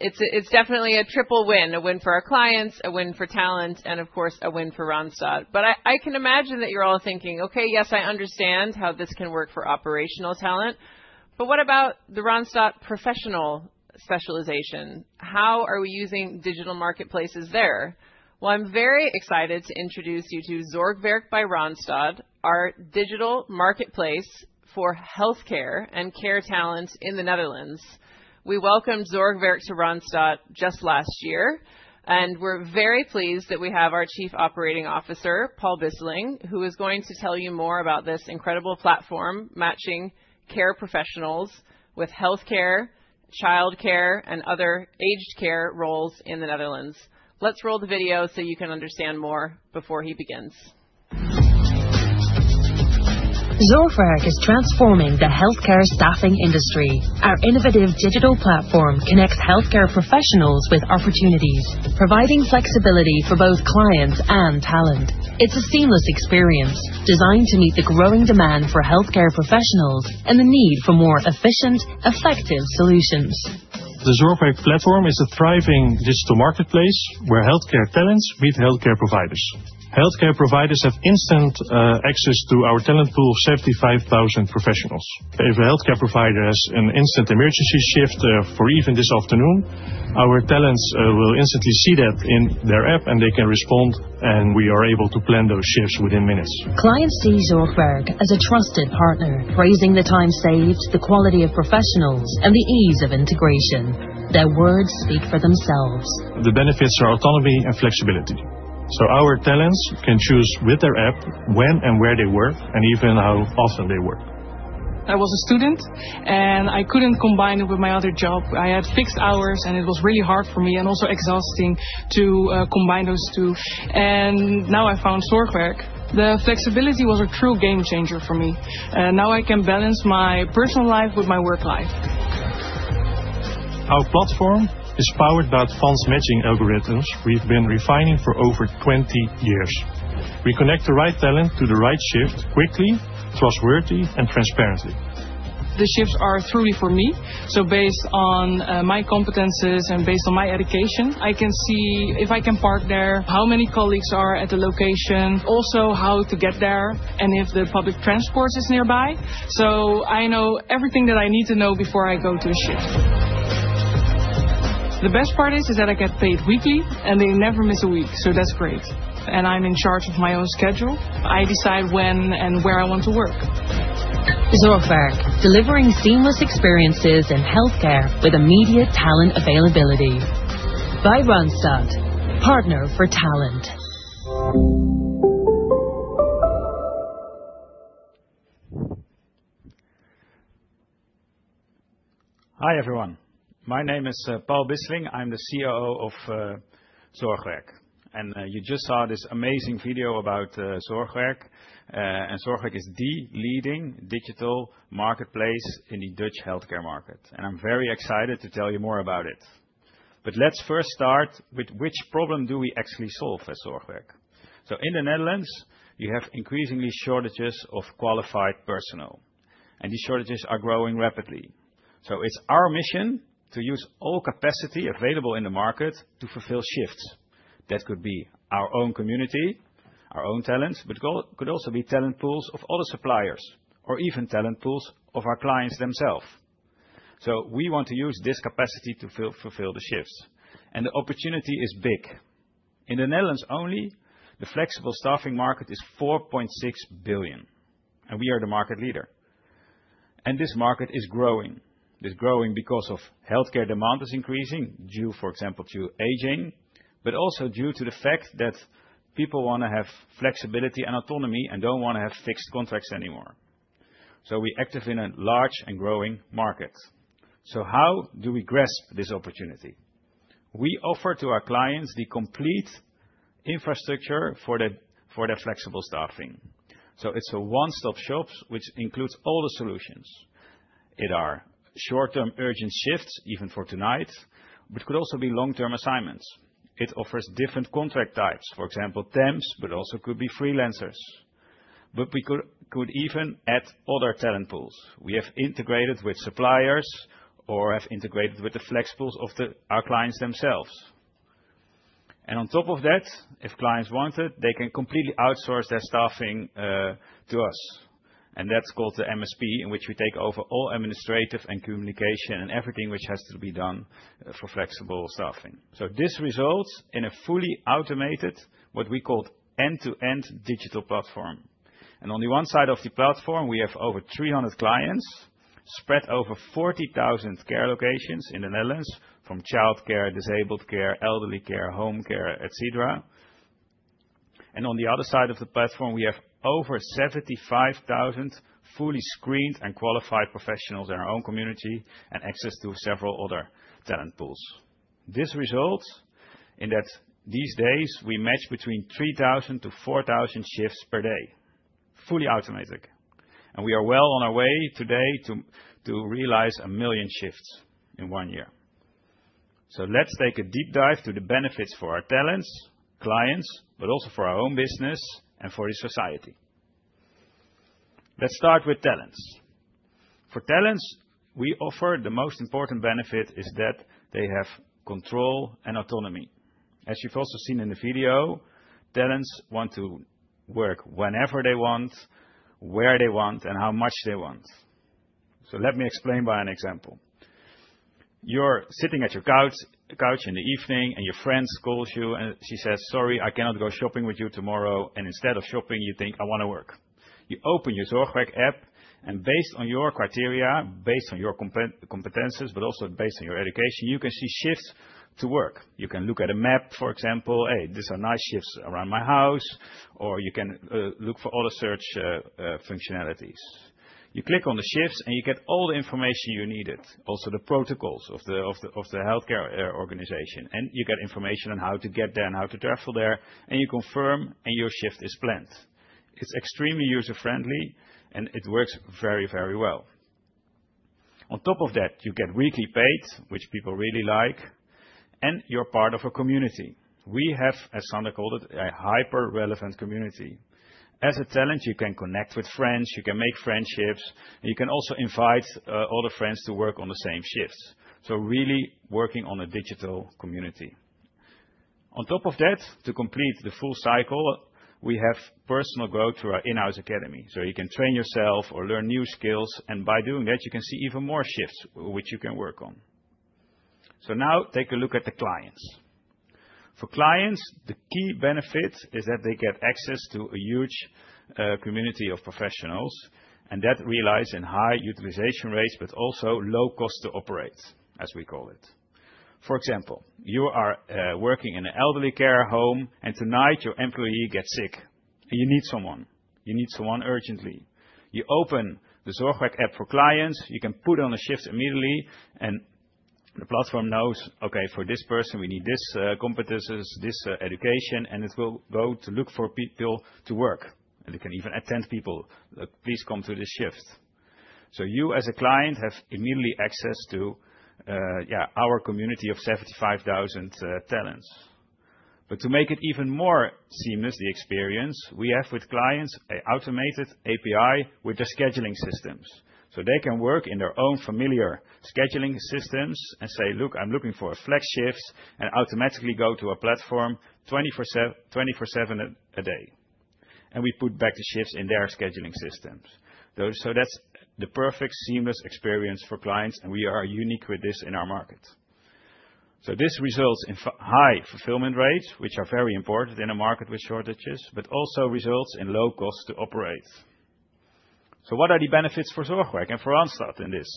It's definitely a triple win, a win for our clients, a win for talent, and of course, a win for Randstad. I can imagine that you're all thinking, okay, yes, I understand how this can work for operational talent. What about the Randstad professional specialization? How are we using digital marketplaces there? I'm very excited to introduce you to Zorgwerk by Randstad, our digital marketplace for healthcare and care talent in the Netherlands. We welcomed Zorgwerk to Randstad just last year, and we're very pleased that we have our Chief Operating Officer, Paul Bisseling, who is going to tell you more about this incredible platform matching care professionals with healthcare, childcare, and other aged care roles in the Netherlands. Let's roll the video so you can understand more before he begins. Zorgwerk is transforming the healthcare staffing industry. Our innovative digital platform connects healthcare professionals with opportunities, providing flexibility for both clients and talent. It's a seamless experience designed to meet the growing demand for healthcare professionals and the need for more efficient, effective solutions. The Zorgwerk platform is a thriving digital marketplace where healthcare talents meet healthcare providers. Healthcare providers have instant access to our talent pool of 75,000 professionals. If a healthcare provider has an instant emergency shift for even this afternoon, our talents will instantly see that in their app, and they can respond, and we are able to plan those shifts within minutes. Clients see Zorgwerk as a trusted partner, praising the time saved, the quality of professionals, and the ease of integration. Their words speak for themselves. The benefits are autonomy and flexibility. Our talents can choose with their app when and where they work and even how often they work. I was a student, and I could not combine it with my other job. I had fixed hours, and it was really hard for me and also exhausting to combine those two. Now I found Zorgwerk. The flexibility was a true game changer for me. Now I can balance my personal life with my work life. Our platform is powered by advanced matching algorithms we have been refining for over 20 years. We connect the right talent to the right shift quickly, trustworthy, and transparently. The shifts are truly for me. Based on my competences and based on my education, I can see if I can park there, how many colleagues are at the location, also how to get there and if the public transport is nearby. I know everything that I need to know before I go to a shift. The best part is that I get paid weekly, and they never miss a week. That's great. I'm in charge of my own schedule. I decide when and where I want to work. Zorgwerk, delivering seamless experiences in healthcare with immediate talent availability. By Randstad, Partner for Talent. Hi everyone. My name is Paul Bisseling. I'm the COO of Zorgwerk. You just saw this amazing video about Zorgwerk. Zorgwerk is the leading digital marketplace in the Dutch healthcare market. I'm very excited to tell you more about it. Let's first start with which problem do we actually solve at Zorgwerk? In the Netherlands, you have increasingly shortages of qualified personnel. These shortages are growing rapidly. It is our mission to use all capacity available in the market to fulfill shifts. That could be our own community, our own talents, but it could also be talent pools of other suppliers or even talent pools of our clients themselves. We want to use this capacity to fulfill the shifts. The opportunity is big. In the Netherlands only, the flexible staffing market is 4.6 billion. We are the market leader. This market is growing. It is growing because healthcare demand is increasing due, for example, to aging, but also due to the fact that people want to have flexibility and autonomy and do not want to have fixed contracts anymore. We are active in a large and growing market. How do we grasp this opportunity? We offer to our clients the complete infrastructure for their flexible staffing. It is a one-stop shop, which includes all the solutions. It is short-term urgent shifts, even for tonight, but it could also be long-term assignments. It offers different contract types, for example, temps, but also could be freelancers. We could even add other talent pools. We have integrated with suppliers or have integrated with the flex pools of our clients themselves. On top of that, if clients want it, they can completely outsource their staffing to us. That is called the MSP, in which we take over all administrative and communication and everything which has to be done for flexible staffing. This results in a fully automated, what we call end-to-end digital platform. On one side of the platform, we have over 300 clients spread over 40,000 care locations in the Netherlands from childcare, disabled care, elderly care, home care, etc. On the other side of the platform, we have over 75,000 fully screened and qualified professionals in our own community and access to several other talent pools. This results in that these days we match between 3,000 to 4,000 shifts per day, fully automated. We are well on our way today to realize a million shifts in one year. Let's take a deep dive to the benefits for our talents, clients, but also for our own business and for society. Let's start with talents. For talents, we offer the most important benefit is that they have control and autonomy. As you've also seen in the video, talents want to work whenever they want, where they want, and how much they want. Let me explain by an example. You're sitting at your couch in the evening, and your friend calls you, and she says, "Sorry, I cannot go shopping with you tomorrow." Instead of shopping, you think, "I want to work." You open your Zorgwerk app, and based on your criteria, based on your competencies, but also based on your education, you can see shifts to work. You can look at a map, for example, "Hey, these are nice shifts around my house," or you can look for other search functionalities. You click on the shifts, and you get all the information you needed, also the protocols of the healthcare organization. You get information on how to get there and how to travel there, and you confirm, and your shift is planned. It's extremely user-friendly, and it works very, very well. On top of that, you get weekly paid, which people really like, and you're part of a community. We have, as Sander called it, a hyper-relevant community. As a talent, you can connect with friends, you can make friendships, and you can also invite other friends to work on the same shifts. Really working on a digital community. On top of that, to complete the full cycle, we have personal growth through our in-house academy. You can train yourself or learn new skills. By doing that, you can see even more shifts which you can work on. Now take a look at the clients. For clients, the key benefit is that they get access to a huge community of professionals, and that realizes in high utilization rates, but also low cost to operate, as we call it. For example, you are working in an elderly care home, and tonight your employee gets sick. You need someone. You need someone urgently. You open the Zorgwerk app for clients. You can put on a shift immediately, and the platform knows, "Okay, for this person, we need these competencies, this education," and it will go to look for people to work. It can even attend people. "Please come to this shift." You, as a client, have immediate access to our community of 75,000 talents. To make it even more seamless, the experience we have with clients, an automated API with their scheduling systems. They can work in their own familiar scheduling systems and say, "Look, I'm looking for flex shifts," and automatically go to a platform 24/7 a day. We put back the shifts in their scheduling systems. That's the perfect seamless experience for clients, and we are unique with this in our market. This results in high fulfillment rates, which are very important in a market with shortages, but also results in low cost to operate. What are the benefits for Zorgwerk and for Randstad in this?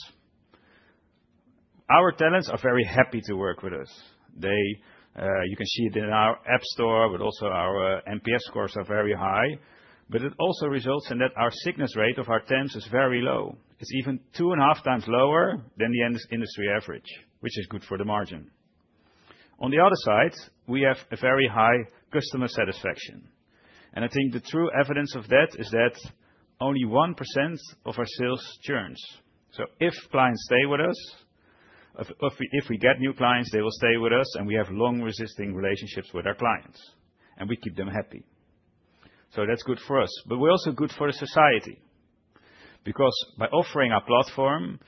Our talents are very happy to work with us. You can see it in our app store, but also our NPS scores are very high. It also results in that our sickness rate of our temps is very low. It's even two and a half times lower than the industry average, which is good for the margin. On the other side, we have a very high customer satisfaction. I think the true evidence of that is that only 1% of our sales churns. If clients stay with us, if we get new clients, they will stay with us, and we have long-resisting relationships with our clients. We keep them happy. That's good for us. We're also good for the society because by offering our platform,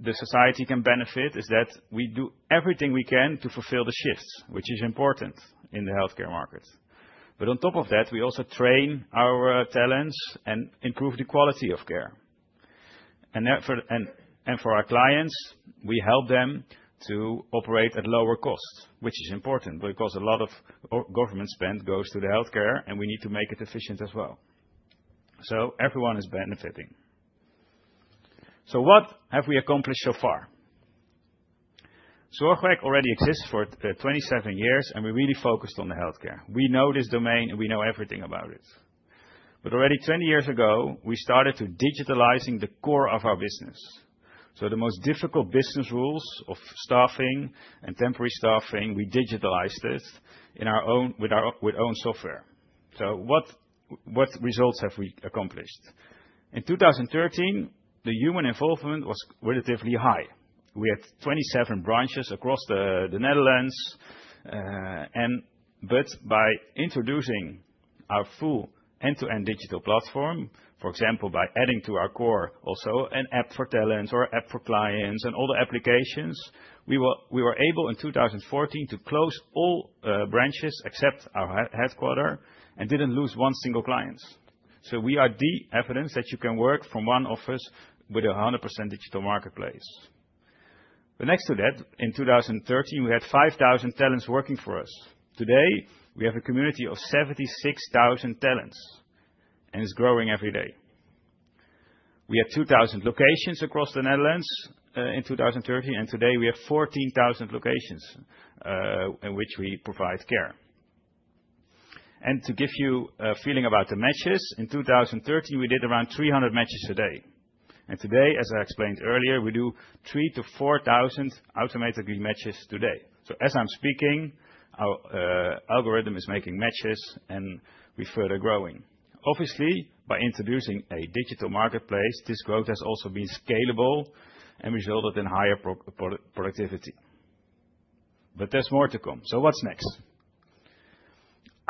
the society can benefit in that we do everything we can to fulfill the shifts, which is important in the healthcare market. On top of that, we also train our talents and improve the quality of care. For our clients, we help them to operate at lower costs, which is important because a lot of government spend goes to the healthcare, and we need to make it efficient as well. Everyone is benefiting. What have we accomplished so far? Zorgwerk already exists for 27 years, and we really focused on the healthcare. We know this domain, and we know everything about it. Already 20 years ago, we started to digitalize the core of our business. The most difficult business rules of staffing and temporary staffing, we digitalized it with our own software. What results have we accomplished? In 2013, the human involvement was relatively high. We had 27 branches across the Netherlands. By introducing our full end-to-end digital platform, for example, by adding to our core also an app for talents or an app for clients and all the applications, we were able in 2014 to close all branches except our headquarter and did not lose one single client. We are the evidence that you can work from one office with a 100% digital marketplace. Next to that, in 2013, we had 5,000 talents working for us. Today, we have a community of 76,000 talents, and it's growing every day. We had 2,000 locations across the Netherlands in 2013, and today we have 14,000 locations in which we provide care. To give you a feeling about the matches, in 2013, we did around 300 matches a day. Today, as I explained earlier, we do 3,000 to 4,000 automated matches. As I'm speaking, our algorithm is making matches, and we're further growing. Obviously, by introducing a digital marketplace, this growth has also been scalable and resulted in higher productivity. There is more to come. What's next?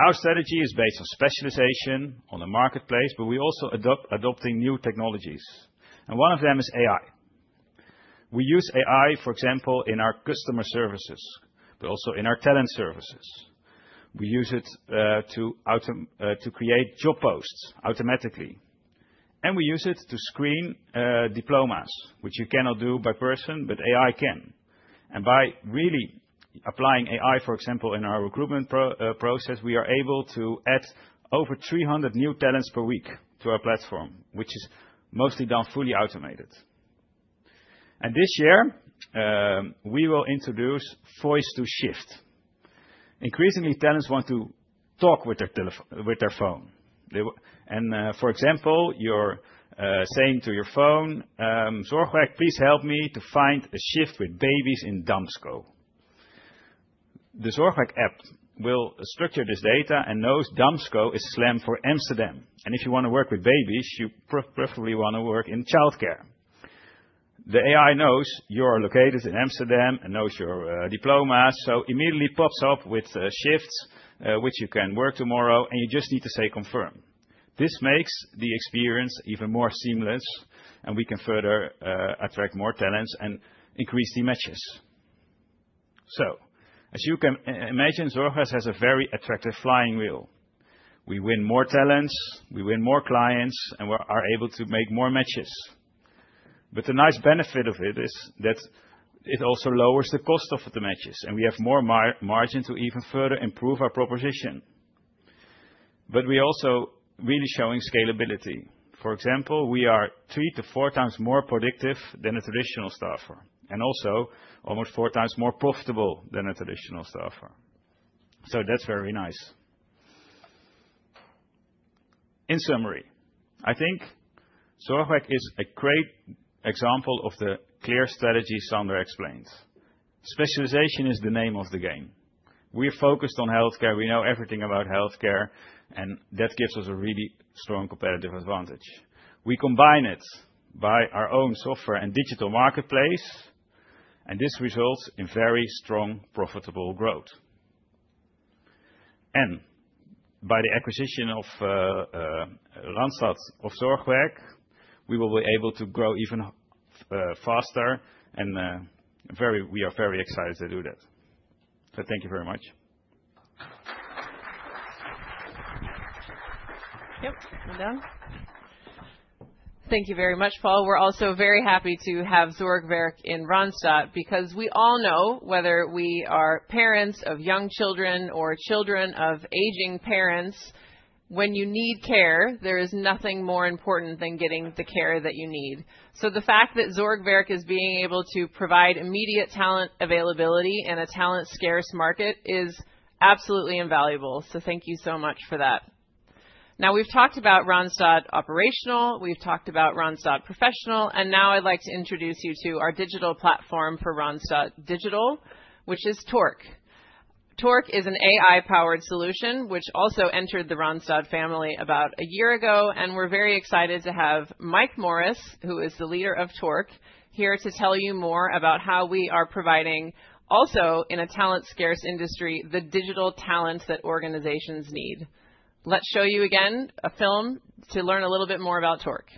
Our strategy is based on specialization on the marketplace, but we're also adopting new technologies. One of them is AI. We use AI, for example, in our customer services, but also in our talent services. We use it to create job posts automatically. We use it to screen diplomas, which you cannot do by person, but AI can. By really applying AI, for example, in our recruitment process, we are able to add over 300 new talents per week to our platform, which is mostly done fully automated. This year, we will introduce voice-to-shift. Increasingly, talents want to talk with their phone. For example, you are saying to your phone, "Zorgwerk, please help me to find a shift with babies in Damsco." The Zorgwerk app will structure this data and knows Damsco is slang for Amsterdam. If you want to work with babies, you preferably want to work in childcare. The AI knows you are located in Amsterdam and knows your diplomas, so it immediately pops up with shifts which you can work tomorrow, and you just need to say confirm. This makes the experience even more seamless, and we can further attract more talents and increase the matches. As you can imagine, Zorgwerk has a very attractive flywheel. We win more talents, we win more clients, and we are able to make more matches. The nice benefit of it is that it also lowers the cost of the matches, and we have more margin to even further improve our proposition. We are also really showing scalability. For example, we are three to four times more predictive than a traditional staffer and also almost four times more profitable than a traditional staffer. That is very nice. In summary, I think Zorgwerk is a great example of the clear strategy Sander explained. Specialization is the name of the game. We are focused on healthcare. We know everything about healthcare, and that gives us a really strong competitive advantage. We combine it by our own software and digital marketplace, and this results in very strong profitable growth. By the acquisition of Randstad of Zorgwerk, we will be able to grow even faster, and we are very excited to do that. Thank you very much. Yep, well done. Thank you very much, Paul. We are also very happy to have Zorgwerk in Randstad because we all know whether we are parents of young children or children of aging parents, when you need care, there is nothing more important than getting the care that you need. The fact that Zorgwerk is being able to provide immediate talent availability in a talent-scarce market is absolutely invaluable. Thank you so much for that. Now we have talked about Randstad operational, we have talked about Randstad professional, and now I would like to introduce you to our digital platform for Randstad digital, which is Torque. Torque is an AI-powered solution which also entered the Randstad family about a year ago, and we are very excited to have Mike Morris, who is the leader of Torque, here to tell you more about how we are providing, also in a talent-scarce industry, the digital talent that organizations need. Let us show you again a film to learn a little bit more about Torque.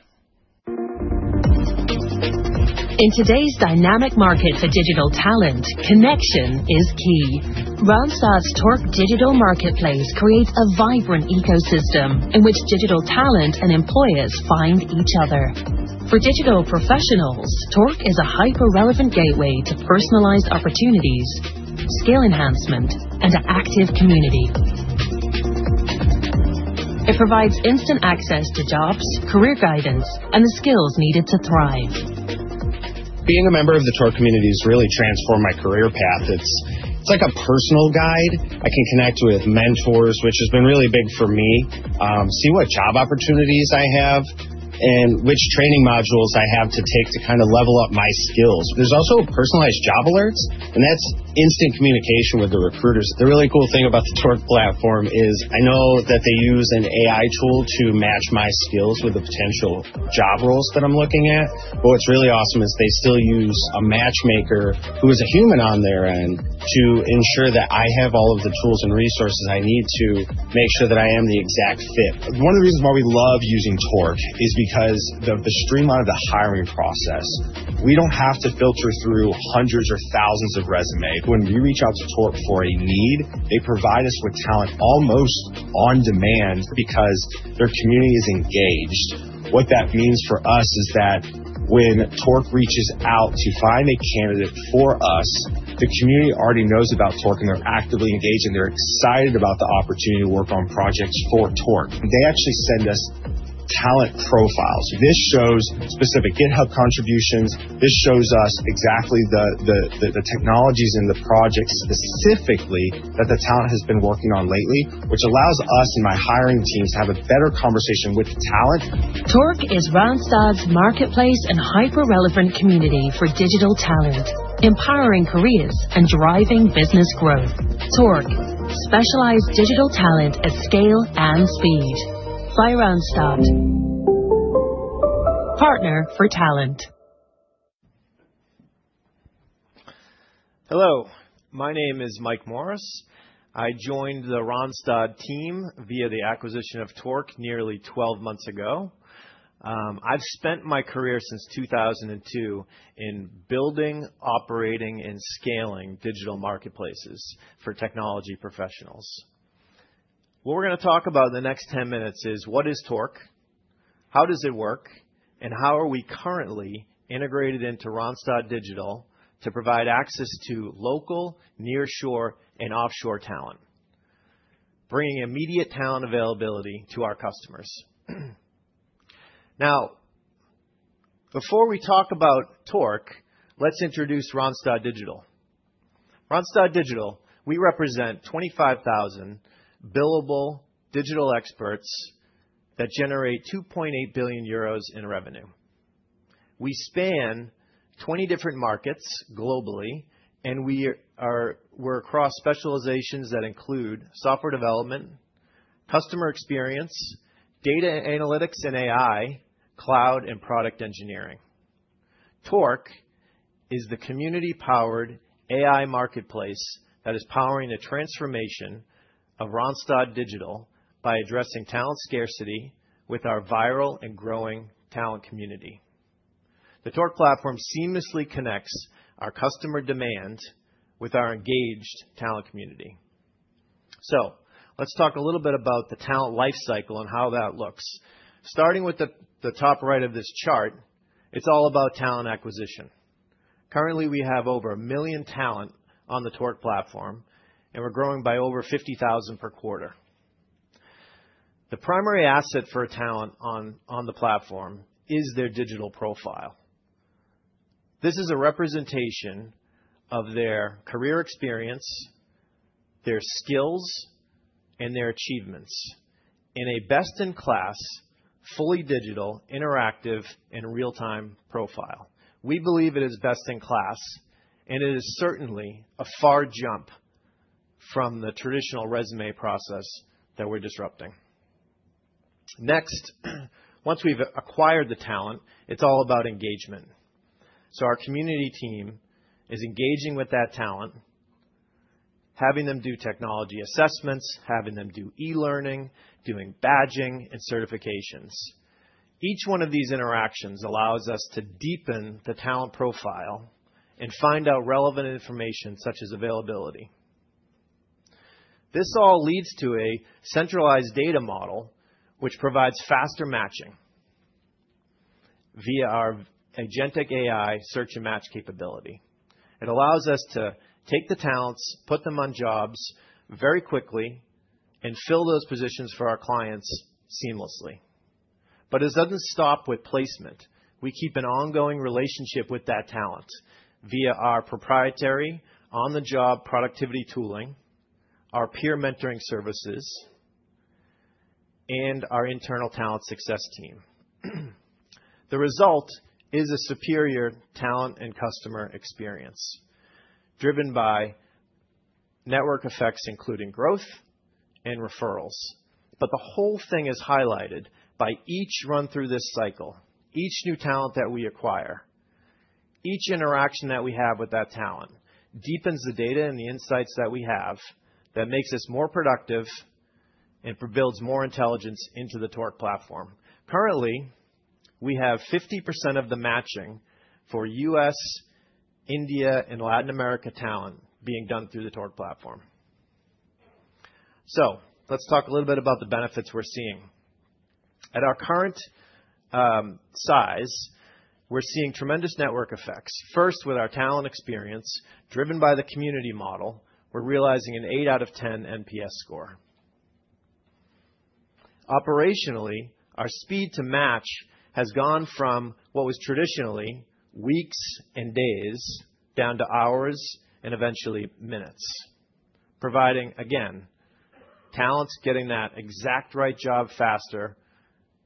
In today's dynamic market for digital talent, connection is key. Randstad's Torque digital marketplace creates a vibrant ecosystem in which digital talent and employers find each other. For digital professionals, Torque is a hyper-relevant gateway to personalized opportunities, skill enhancement, and an active community. It provides instant access to jobs, career guidance, and the skills needed to thrive. Being a member of the Torque community has really transformed my career path. It's like a personal guide. I can connect with mentors, which has been really big for me, see what job opportunities I have, and which training modules I have to take to kind of level up my skills. There's also personalized job alerts, and that's instant communication with the recruiters. The really cool thing about the Torque platform is I know that they use an AI tool to match my skills with the potential job roles that I'm looking at. What's really awesome is they still use a matchmaker who is a human on their end to ensure that I have all of the tools and resources I need to make sure that I am the exact fit. One of the reasons why we love using Torque is because of the streamline of the hiring process. We don't have to filter through hundreds or thousands of resumes. When we reach out to Torque for a need, they provide us with talent almost on demand because their community is engaged. What that means for us is that when Torque reaches out to find a candidate for us, the community already knows about Torque, and they're actively engaged, and they're excited about the opportunity to work on projects for Torque. They actually send us talent profiles. This shows specific GitHub contributions. This shows us exactly the technologies and the projects specifically that the talent has been working on lately, which allows us and my hiring teams to have a better conversation with the talent. Torque is Randstad's marketplace and hyper-relevant community for digital talent, empowering careers and driving business growth. Torque, specialized digital talent at scale and speed. By Randstad. Partner for Talent. Hello. My name is Mike Morris. I joined the Randstad team via the acquisition of Torque nearly 12 months ago. I've spent my career since 2002 in building, operating, and scaling digital marketplaces for technology professionals. What we're going to talk about in the next 10 minutes is what is Torque, how does it work, and how are we currently integrated into Randstad Digital to provide access to local, near-shore, and offshore talent, bringing immediate talent availability to our customers. Now, before we talk about Torque, let's introduce Randstad Digital. Randstad Digital, we represent 25,000 billable digital experts that generate 2.8 billion euros in revenue. We span 20 different markets globally, and we're across specializations that include software development, customer experience, data analytics and AI, Cloud, and product engineering. Torque is the community-powered AI marketplace that is powering the transformation of Randstad Digital by addressing talent scarcity with our viral and growing talent community. The Torque platform seamlessly connects our customer demand with our engaged talent community. Let's talk a little bit about the talent lifecycle and how that looks. Starting with the top right of this chart, it's all about talent acquisition. Currently, we have over 1 million talent on the Torque platform, and we're growing by over 50,000 per quarter. The primary asset for talent on the platform is their digital profile. This is a representation of their career experience, their skills, and their achievements in a best-in-class, fully digital, interactive, and real-time profile. We believe it is best-in-class, and it is certainly a far jump from the traditional resume process that we're disrupting. Next, once we've acquired the talent, it's all about engagement. Our community team is engaging with that talent, having them do technology assessments, having them do e-learning, doing badging, and certifications. Each one of these interactions allows us to deepen the talent profile and find out relevant information such as availability. This all leads to a centralized data model which provides faster matching via our agentic AI search and match capability. It allows us to take the talents, put them on jobs very quickly, and fill those positions for our clients seamlessly. It does not stop with placement. We keep an ongoing relationship with that talent via our proprietary on-the-job productivity tooling, our peer mentoring services, and our internal talent success team. The result is a superior talent and customer experience driven by network effects, including growth and referrals. The whole thing is highlighted by each run-through this cycle, each new talent that we acquire, each interaction that we have with that talent deepens the data and the insights that we have that makes us more productive and builds more intelligence into the Torque platform. Currently, we have 50% of the matching for U.S., India, and Latin America talent being done through the Torque platform. Let's talk a little bit about the benefits we're seeing. At our current size, we're seeing tremendous network effects. First, with our talent experience driven by the community model, we're realizing an 8/10 NPS score. Operationally, our speed to match has gone from what was traditionally weeks and days down to hours and eventually minutes, providing, again, talents getting that exact right job faster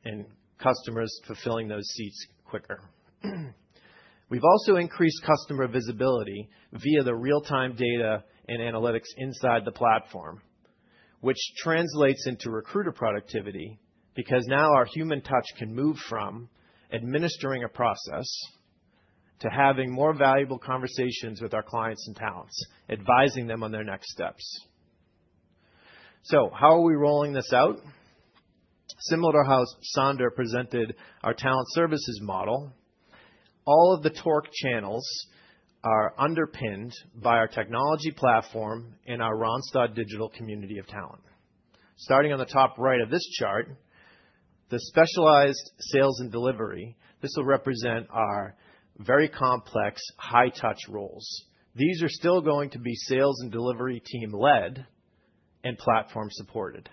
and customers fulfilling those seats quicker. We've also increased customer visibility via the real-time data and analytics inside the platform, which translates into recruiter productivity because now our human touch can move from administering a process to having more valuable conversations with our clients and talents, advising them on their next steps. How are we rolling this out? Similar to how Sander presented our talent services model, all of the Torque channels are underpinned by our technology platform and our Randstad Digital Community of Talent. Starting on the top right of this chart, the specialized sales and delivery, this will represent our very complex high-touch roles. These are still going to be sales and delivery team-led and platform-supported.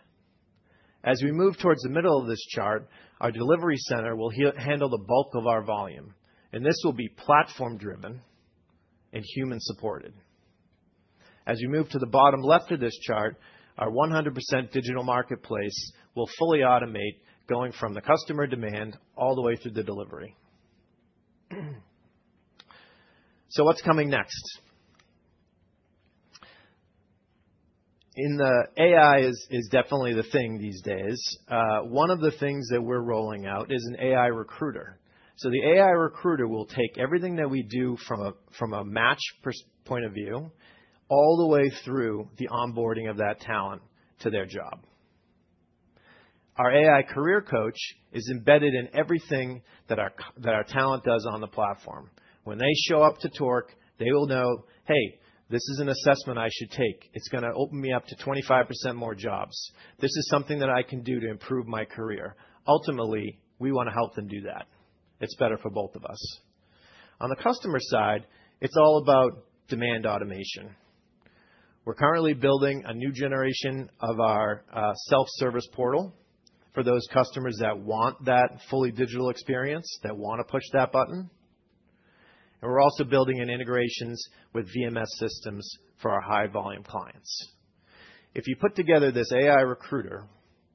As we move towards the middle of this chart, our delivery center will handle the bulk of our volume, and this will be platform-driven and human-supported. As we move to the bottom left of this chart, our 100% digital marketplace will fully automate going from the customer demand all the way through the delivery. What's coming next? AI is definitely the thing these days. One of the things that we're rolling out is an AI Recruiter. The AI Recruiter will take everything that we do from a match point of view all the way through the onboarding of that talent to their job. Our AI career coach is embedded in everything that our talent does on the platform. When they show up to Torque, they will know, "Hey, this is an assessment I should take. It's going to open me up to 25% more jobs. This is something that I can do to improve my career." Ultimately, we want to help them do that. It's better for both of us. On the customer side, it's all about demand automation. We're currently building a new generation of our self-service portal for those customers that want that fully digital experience, that want to push that button. We're also building integrations with VMS systems for our high-volume clients. If you put together this AI Recruiter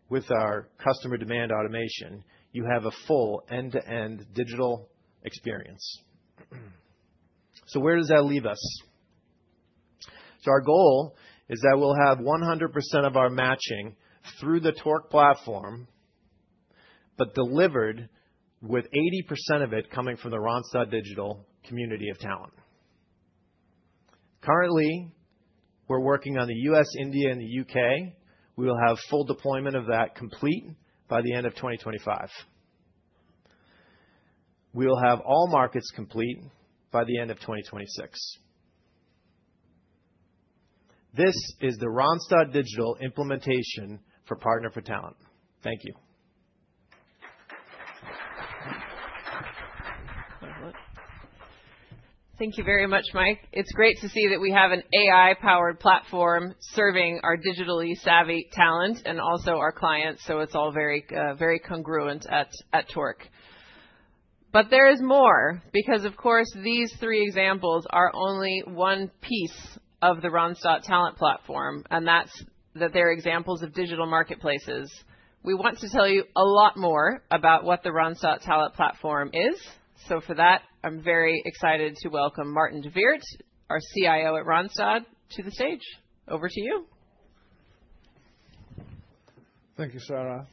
with our customer demand automation, you have a full end-to-end digital experience. Where does that leave us? Our goal is that we'll have 100% of our matching through the Torque Platform, but delivered with 80% of it coming from the Randstad Digital Community of Talent. Currently, we're working on the U.S., India, and the U.K. We will have full deployment of that complete by the end of 2025. We will have all markets complete by the end of 2026. This is the Randstad Digital implementation for Partner for Talent. Thank you. Thank you very much, Mike. It's great to see that we have an AI-powered platform serving our digitally savvy talent and also our clients, so it's all very congruent at Torque. There is more because, of course, these three examples are only one piece of the Randstad Talent Platform, and that's that they're examples of digital marketplaces. We want to tell you a lot more about what the Randstad Talent Platform is. For that, I'm very excited to welcome Martin de Weerdt, our CIO at Randstad, to the stage. Over to you. Thank you, Sarah.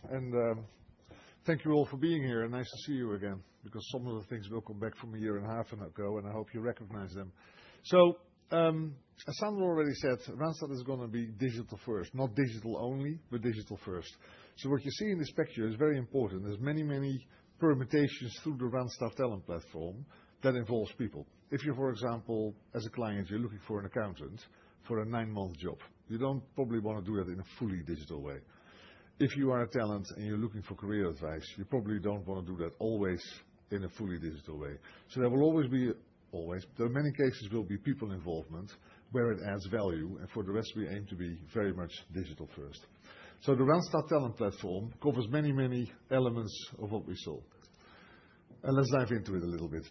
Thank you all for being here. Nice to see you again because some of the things will come back from a year and a half ago, and I hope you recognize them. As Sander already said, Randstad is going to be digital first, not digital only, but digital first. What you see in this picture is very important. There are many, many permutations through the Randstad Talent Platform that involve people. If you, for example, as a client, are looking for an accountant for a nine-month job, you probably do not want to do that in a fully digital way. If you are a talent and you are looking for career advice, you probably do not want to do that always in a fully digital way. There will always be, or in many cases, there will be people involvement where it adds value. For the rest, we aim to be very much digital first. The Randstad Talent Platform covers many, many elements of what we saw. Let's dive into it a little bit.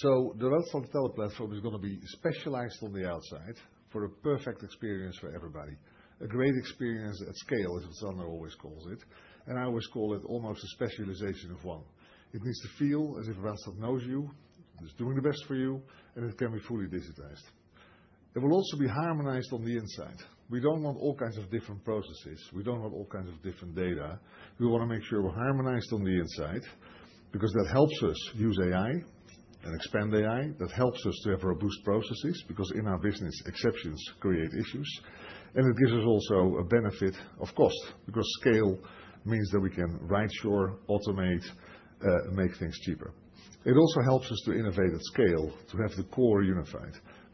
The Randstad Talent Platform is going to be specialized on the outside for a perfect experience for everybody, a great experience at scale, as Sander always calls it. I always call it almost a specialization of one. It needs to feel as if Randstad knows you, is doing the best for you, and it can be fully digitized. It will also be harmonized on the inside. We do not want all kinds of different processes. We do not want all kinds of different data. We want to make sure we are harmonized on the inside because that helps us use AI and expand AI. That helps us to have robust processes because in our business, exceptions create issues. It gives us also a benefit of cost because scale means that we can, right, sure, automate, make things cheaper. It also helps us to innovate at scale, to have the core unified.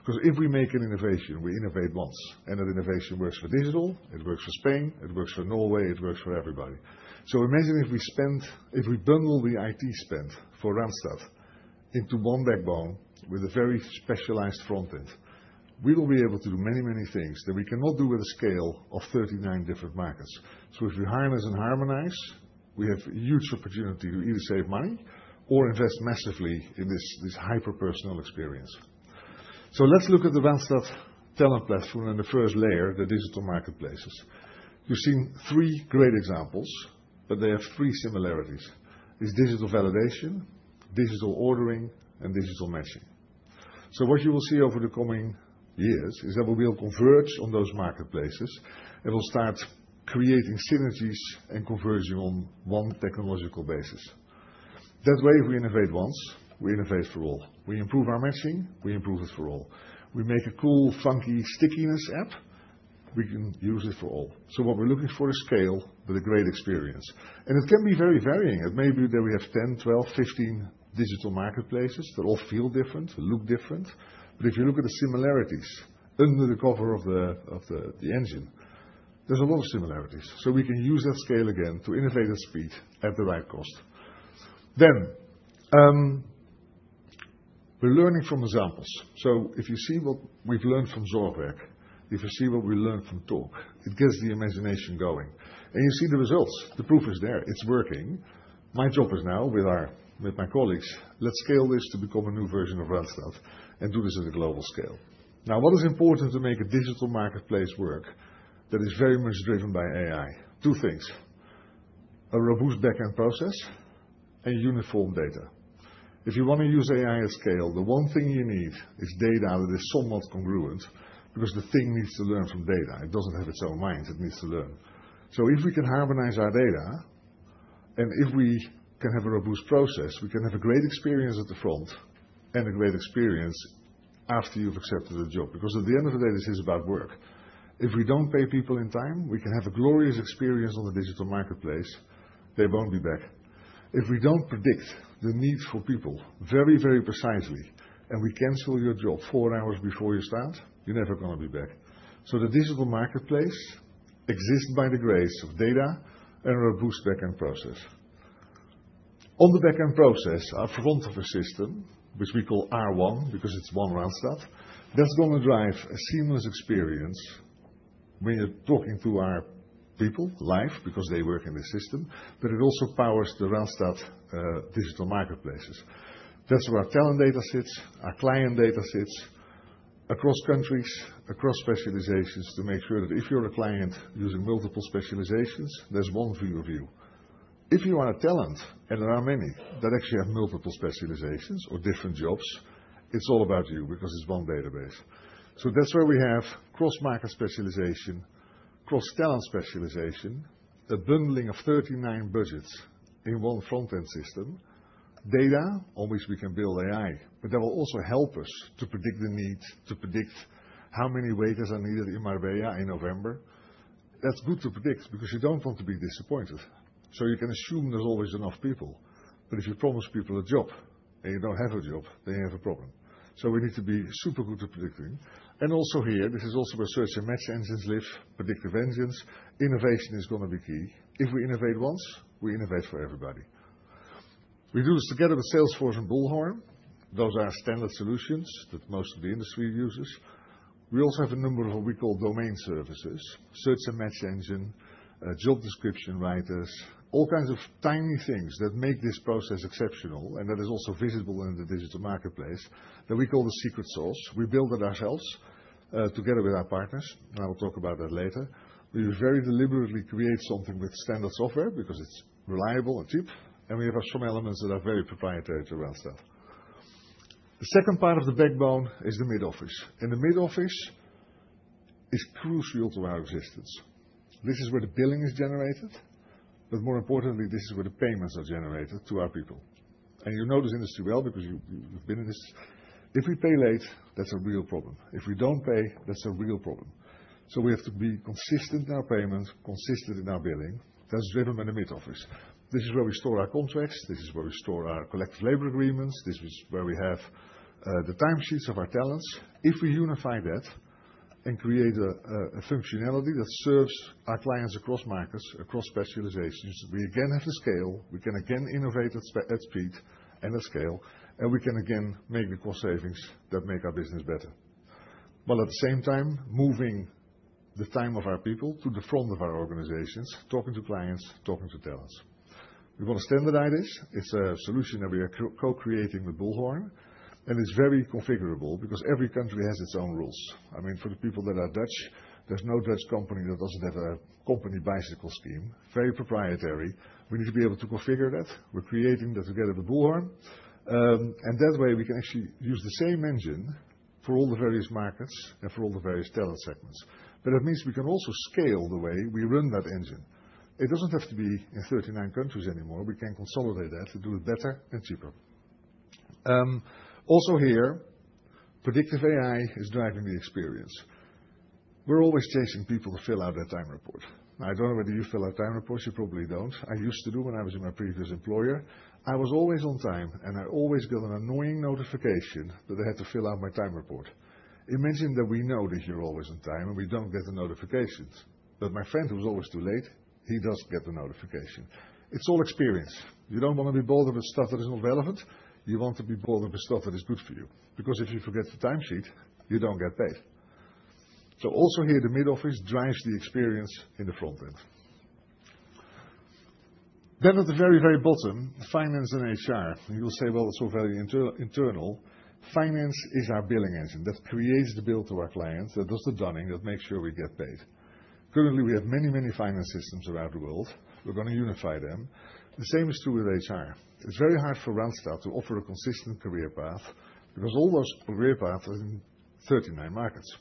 Because if we make an innovation, we innovate once. And that innovation works for digital. It works for Spain. It works for Norway. It works for everybody. Imagine if we bundle the IT spend for Randstad into one backbone with a very specialized front end. We will be able to do many, many things that we cannot do with a scale of 39 different markets. If we harness and harmonize, we have a huge opportunity to either save money or invest massively in this hyper-personal experience. Let's look at the Randstad Talent Platform and the first layer, the digital marketplaces. You've seen three great examples, but they have three similarities: digital validation, digital ordering, and digital matching. What you will see over the coming years is that we will converge on those marketplaces. It will start creating synergies and converging on one technological basis. That way, if we innovate once, we innovate for all. We improve our matching. We improve it for all. We make a cool, funky stickiness app. We can use it for all. What we're looking for is scale with a great experience. It can be very varying. It may be that we have 10, 12, 15 digital marketplaces that all feel different, look different. If you look at the similarities under the cover of the engine, there's a lot of similarities. We can use that scale again to innovate at speed at the right cost. We're learning from examples. If you see what we've learned from Zorgwerk, if you see what we learned from Torque, it gets the imagination going. You see the results. The proof is there. It's working. My job is now with my colleagues, let's scale this to become a new version of Randstad and do this at a global scale. Now, what is important to make a digital marketplace work that is very much driven by AI? Two things: a robust backend process and uniform data. If you want to use AI at scale, the one thing you need is data that is somewhat congruent because the thing needs to learn from data. It doesn't have its own mind. It needs to learn. If we can harmonize our data and if we can have a robust process, we can have a great experience at the front and a great experience after you've accepted the job. Because at the end of the day, this is about work. If we don't pay people in time, we can have a glorious experience on the digital marketplace. They won't be back. If we don't predict the need for people very, very precisely and we cancel your job four hours before you start, you're never going to be back. The digital marketplace exists by the grace of data and a robust backend process. On the backend process, our front of the system, which we call R1 because it's one Randstad, that's going to drive a seamless experience when you're talking to our people live because they work in the system, but it also powers the Randstad digital marketplaces. That's where our talent data sits, our client data sits across countries, across specializations to make sure that if you're a client using multiple specializations, there's one view of you. If you are a talent and there are many that actually have multiple specializations or different jobs, it's all about you because it's one database. That's where we have cross-market specialization, cross-talent specialization, a bundling of 39 budgets in one front-end system, data on which we can build AI, but that will also help us to predict the need, to predict how many waiters are needed in Marbella in November. That's good to predict because you don't want to be disappointed. You can assume there's always enough people. If you promise people a job and you don't have a job, then you have a problem. We need to be super good at predicting. Also here, this is also where search and match engines live, predictive engines. Innovation is going to be key. If we innovate once, we innovate for everybody. We do this together with Salesforce and Bullhorn. Those are standard solutions that most of the industry uses. We also have a number of what we call domain services, search and match engine, job description writers, all kinds of tiny things that make this process exceptional and that is also visible in the digital marketplace that we call the secret source. We build it ourselves together with our partners. I will talk about that later. We very deliberately create something with standard software because it's reliable and cheap. We have some elements that are very proprietary to Randstad. The second part of the backbone is the mid-office. The mid-office is crucial to our existence. This is where the billing is generated. More importantly, this is where the payments are generated to our people. You know this industry well because you've been in this. If we pay late, that's a real problem. If we don't pay, that's a real problem. We have to be consistent in our payments, consistent in our billing. That's driven by the mid-office. This is where we store our contracts. This is where we store our collective labor agreements. This is where we have the timesheets of our talents. If we unify that and create a functionality that serves our clients across markets, across specializations, we again have to scale. We can again innovate at speed and at scale. We can again make the cost savings that make our business better. At the same time, moving the time of our people to the front of our organizations, talking to clients, talking to talents. We want to standardize this. It's a solution that we are co-creating with Bullhorn. It's very configurable because every country has its own rules. I mean, for the people that are Dutch, there's no Dutch company that doesn't have a company bicycle scheme. Very proprietary. We need to be able to configure that. We're creating that together with Bullhorn. That way, we can actually use the same engine for all the various markets and for all the various talent segments. That means we can also scale the way we run that engine. It doesn't have to be in 39 countries anymore. We can consolidate that to do it better and cheaper. Also here, predictive AI is driving the experience. We're always chasing people to fill out their time report. I don't know whether you fill out time reports. You probably don't. I used to do when I was in my previous employer. I was always on time, and I always got an annoying notification that I had to fill out my time report. Imagine that we know that you're always on time and we don't get the notifications. But my friend who was always too late, he does get the notification. It's all experience. You don't want to be bothered with stuff that is not relevant. You want to be bothered with stuff that is good for you. Because if you forget the timesheet, you don't get paid. Also here, the mid-office drives the experience in the front end. At the very, very bottom, finance and HR. You'll say, well, it's all very internal. Finance is our billing engine that creates the bill to our clients, that does the dunning, that makes sure we get paid. Currently, we have many, many finance systems around the world. We're going to unify them. The same is true with HR. It's very hard for Randstad to offer a consistent career path because all those career paths are in 39 markets.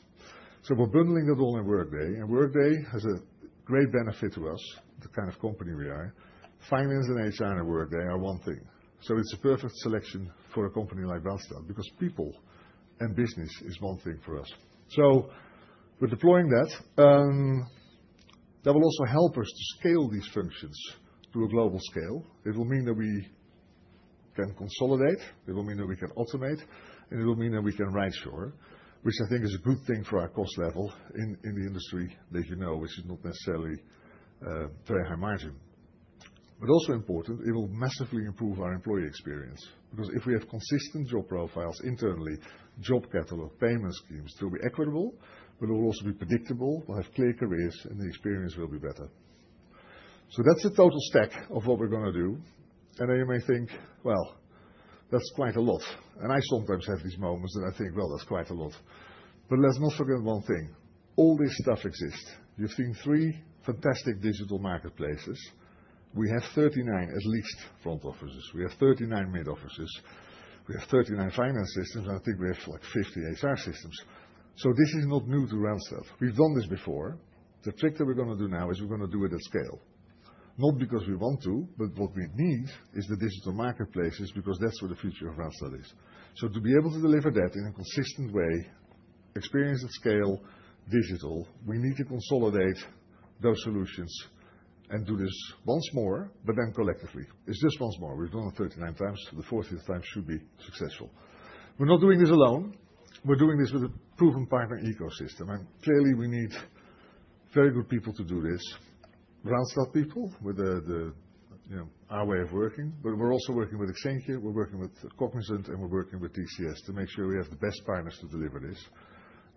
We're bundling it all in Workday. Workday has a great benefit to us, the kind of company we are. Finance and HR and Workday are one thing. It's a perfect selection for a company like Randstad because people and business is one thing for us. We're deploying that. That will also help us to scale these functions to a global scale. It will mean that we can consolidate. It will mean that we can automate. It will mean that we can right-shore, which I think is a good thing for our cost level in the industry that, you know, is not necessarily very high margin. Also important, it will massively improve our employee experience because if we have consistent job profiles internally, job catalog, payment schemes to be equitable, it will also be predictable. We'll have clear careers, and the experience will be better. That's the total stack of what we're going to do. You may think, well, that's quite a lot. I sometimes have these moments that I think, well, that's quite a lot. Let's not forget one thing. All this stuff exists. You've seen three fantastic digital marketplaces. We have 39 at least front offices. We have 39 mid-offices. We have 39 finance systems. I think we have like 50 HR systems. This is not new to Randstad. We've done this before. The trick that we're going to do now is we're going to do it at scale. Not because we want to, but what we need is the digital marketplaces because that's where the future of Randstad is. To be able to deliver that in a consistent way, experience at scale, digital, we need to consolidate those solutions and do this once more, but then collectively. It's just once more. We've done it 39 times. The 40th time should be successful. We're not doing this alone. We're doing this with a proven partner ecosystem. Clearly, we need very good people to do this. Randstad people with our way of working. We are also working with Exentia, we are working with Cognizant, and we are working with DCS to make sure we have the best partners to deliver this.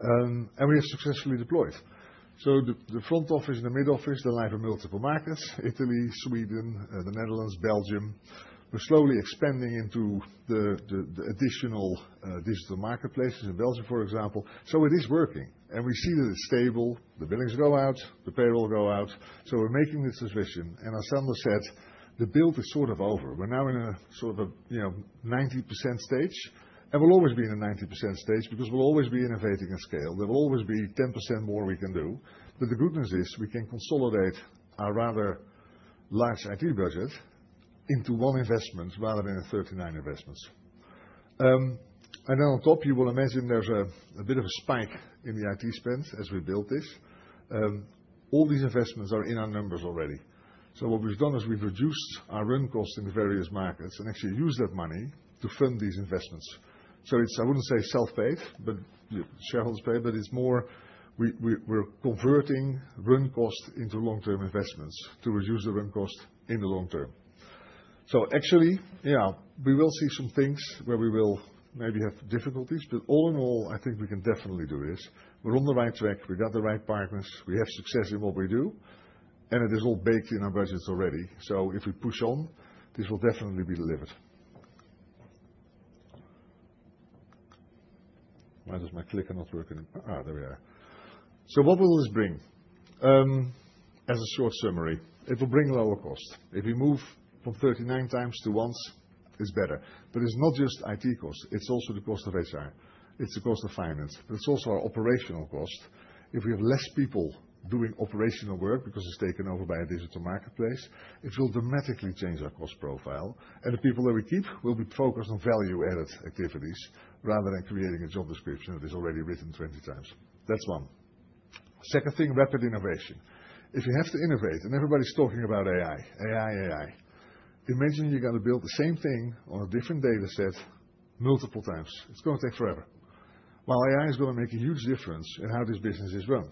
We have successfully deployed. The front office and the mid-office, they are live in multiple markets: Italy, Sweden, the Netherlands, Belgium. We are slowly expanding into the additional digital marketplaces in Belgium, for example. It is working. We see that it is stable. The billings go out. The payroll go out. We are making this decision. As Sander said, the build is sort of over. We are now in a sort of a 90% stage. We will always be in a 90% stage because we will always be innovating at scale. There will always be 10% more we can do. The good news is we can consolidate our rather large IT budget into one investment rather than 39 investments. Then on top, you will imagine there's a bit of a spike in the IT spend as we build this. All these investments are in our numbers already. What we've done is we've reduced our run cost in the various markets and actually used that money to fund these investments. It's, I wouldn't say self-pay, but shareholders pay, but it's more we're converting run cost into long-term investments to reduce the run cost in the long term. Actually, yeah, we will see some things where we will maybe have difficulties. All in all, I think we can definitely do this. We're on the right track. We've got the right partners. We have success in what we do. It is all baked in our budgets already. If we push on, this will definitely be delivered. Why does my clicker not work? There we are. What will this bring? As a short summary, it will bring lower cost. If we move from 39 times to once, it is better. It is not just IT cost. It is also the cost of HR. It is the cost of finance. It is also our operational cost. If we have fewer people doing operational work because it is taken over by a digital marketplace, it will dramatically change our cost profile. The people that we keep will be focused on value-added activities rather than creating a job description that is already written 20 times. That is one. Second thing, rapid innovation. If you have to innovate and everybody's talking about AI, AI, AI, imagine you're going to build the same thing on a different data set multiple times. It's going to take forever. AI is going to make a huge difference in how this business is run.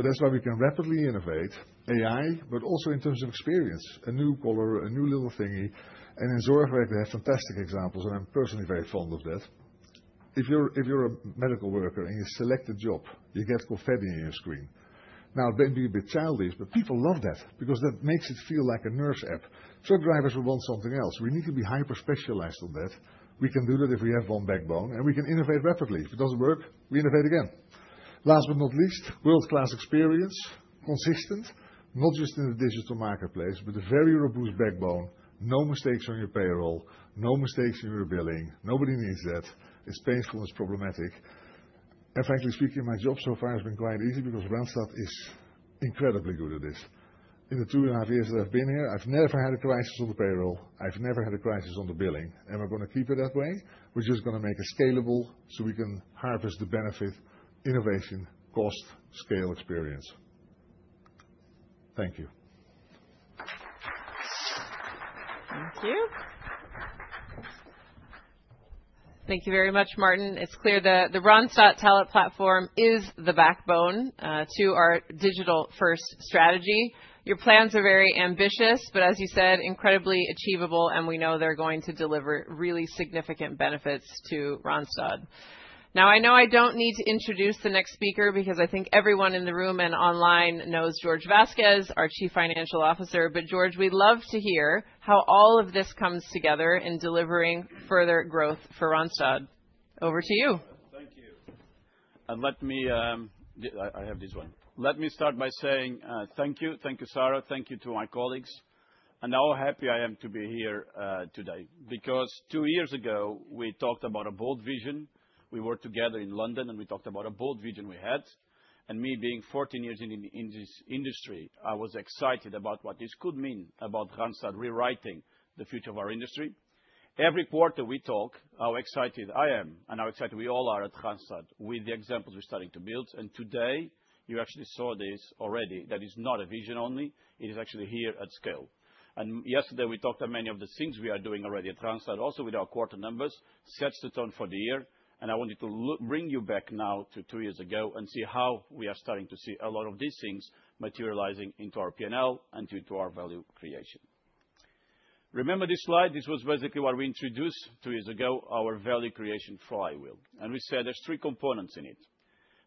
That's why we can rapidly innovate AI, but also in terms of experience, a new color, a new little thingy. In Zorgwerk, they have fantastic examples, and I'm personally very fond of that. If you're a medical worker and you select a job, you get GoFed in your screen. Now, it may be a bit childish, but people love that because that makes it feel like a nurse app. Truck drivers will want something else. We need to be hyper-specialized on that. We can do that if we have one backbone. We can innovate rapidly. If it doesn't work, we innovate again. Last but not least, world-class experience, consistent, not just in the digital marketplace, but a very robust backbone, no mistakes on your payroll, no mistakes in your billing. Nobody needs that. It's painful and it's problematic. Frankly speaking, my job so far has been quite easy because Randstad is incredibly good at this. In the two and a half years that I've been here, I've never had a crisis on the payroll. I've never had a crisis on the billing. We're going to keep it that way. We're just going to make it scalable so we can harvest the benefit, innovation, cost, scale experience. Thank you. Thank you. Thank you very much, Martin. It's clear the Randstad Talent Platform is the backbone to our digital-first strategy. Your plans are very ambitious, but as you said, incredibly achievable, and we know they're going to deliver really significant benefits to Randstad. Now, I know I don't need to introduce the next speaker because I think everyone in the room and online knows Jorge Vazquez, our Chief Financial Officer. Jorge we'd love to hear how all of this comes together in delivering further growth for Randstad. Over to you. Thank you. Let me start by saying thank you. Thank you, Sarah. Thank you to my colleagues. How happy I am to be here today because two years ago, we talked about a bold vision. We worked together in London, and we talked about a bold vision we had. Having been 14 years in this industry, I was excited about what this could mean about Randstad rewriting the future of our industry. Every quarter, we talk about how excited I am and how excited we all are at Randstad with the examples we're starting to build. Today, you actually saw this already. That is not a vision only. It is actually here at scale. Yesterday, we talked about many of the things we are doing already at Randstad, also with our quarter numbers, which sets the tone for the year. I wanted to bring you back now to two years ago and see how we are starting to see a lot of these things materializing into our P&L and into our value creation. Remember this slide? This was basically what we introduced two years ago, our value creation flywheel. We said there are three components in it.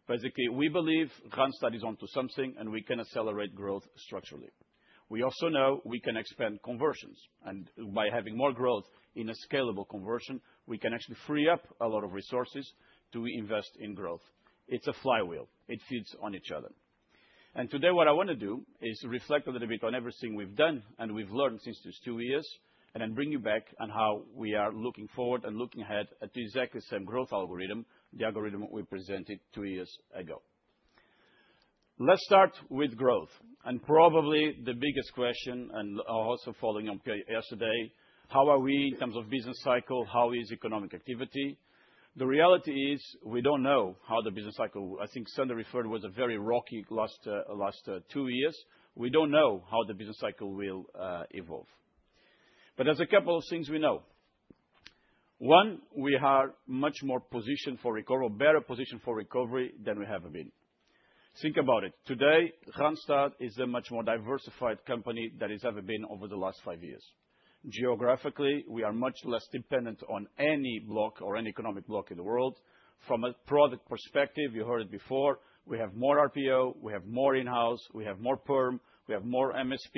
Basically, we believe Randstad is onto something, and we can accelerate growth structurally. We also know we can expand conversions. By having more growth in a scalable conversion, we can actually free up a lot of resources to invest in growth. It's a flywheel. It feeds on each other. Today, what I want to do is reflect a little bit on everything we've done and we've learned since these two years and then bring you back on how we are looking forward and looking ahead at the exactly same growth algorithm, the algorithm we presented two years ago. Let's start with growth. Probably the biggest question, and also following on yesterday, how are we in terms of business cycle? How is economic activity? The reality is we don't know how the business cycle, I think Sander referred, was a very rocky last two years. We don't know how the business cycle will evolve. There are a couple of things we know. One, we are much more positioned for recovery, better positioned for recovery than we have ever been. Think about it. Today, Randstad is a much more diversified company than it's ever been over the last five years. Geographically, we are much less dependent on any block or any economic block in the world. From a product perspective, you heard it before, we have more RPO. We have more in-house. We have more PERM. We have more MSP.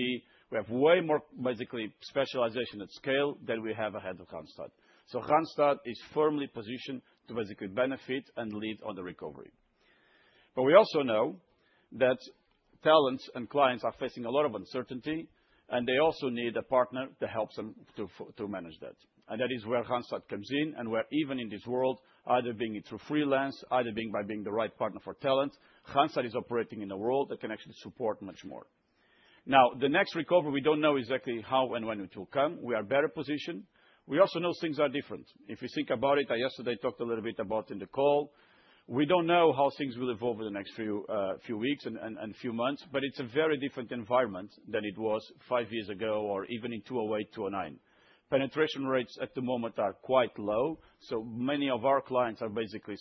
We have way more basically specialization at scale than we have ahead of Randstad. Randstad is firmly positioned to basically benefit and lead on the recovery. We also know that talents and clients are facing a lot of uncertainty, and they also need a partner to help them to manage that. That is where Randstad comes in. Where even in this world, either being through freelance, either by being the right Partner for Talent, Randstad is operating in a world that can actually support much more. Now, the next recovery, we do not know exactly how and when it will come. We are better positioned. We also know things are different. If you think about it, I yesterday talked a little bit about it in the call. We do not know how things will evolve in the next few weeks and few months, but it is a very different environment than it was five years ago or even in 2008, 2009. Penetration rates at the moment are quite low. Many of our clients are basically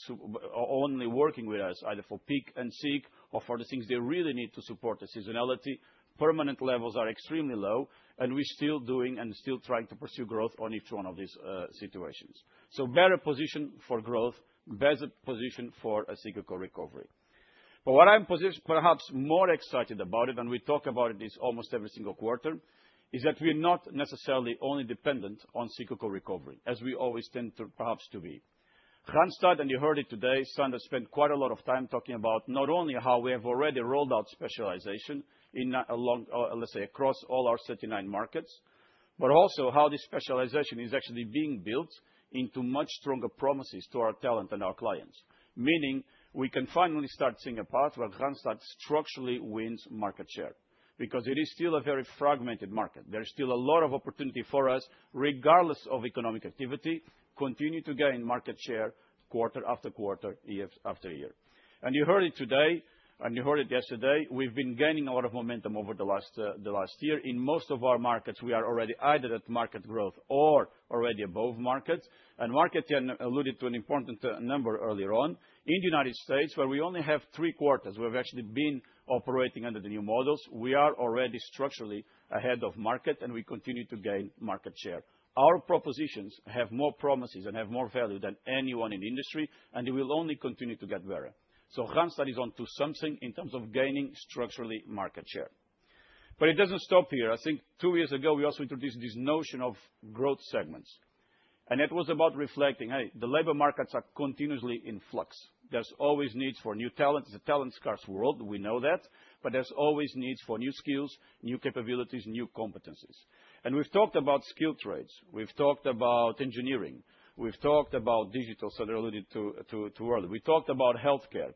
only working with us either for peak and seek or for the things they really need to support the seasonality. Permanent levels are extremely low, and we're still doing and still trying to pursue growth on each one of these situations. Better position for growth, better position for a cyclical recovery. What I'm perhaps more excited about, and we talk about it almost every single quarter, is that we're not necessarily only dependent on cyclical recovery, as we always tend to perhaps to be. Randstad, and you heard it today, Sander spent quite a lot of time talking about not only how we have already rolled out specialization in, let's say, across all our 39 markets, but also how this specialization is actually being built into much stronger promises to our talent and our clients, meaning we can finally start seeing a path where Randstad structurally wins market share because it is still a very fragmented market. There's still a lot of opportunity for us, regardless of economic activity, to continue to gain market share quarter after quarter, year after year. You heard it today, and you heard it yesterday, we've been gaining a lot of momentum over the last year. In most of our markets, we are already either at market growth or already above market. Marc-Etienne Julien alluded to an important number earlier on. In the United States, where we only have three quarters we've actually been operating under the new models, we are already structurally ahead of market, and we continue to gain market share. Our propositions have more promises and have more value than anyone in the industry, and they will only continue to get better. Randstad is onto something in terms of gaining structurally market share. It doesn't stop here. I think two years ago, we also introduced this notion of growth segments. It was about reflecting, hey, the labor markets are continuously in flux. There's always needs for new talent. It's a talent scarce world. We know that. There's always needs for new skills, new capabilities, new competencies. We've talked about skilled trades. We've talked about engineering. We've talked about digital, Sander alluded to earlier. We talked about healthcare.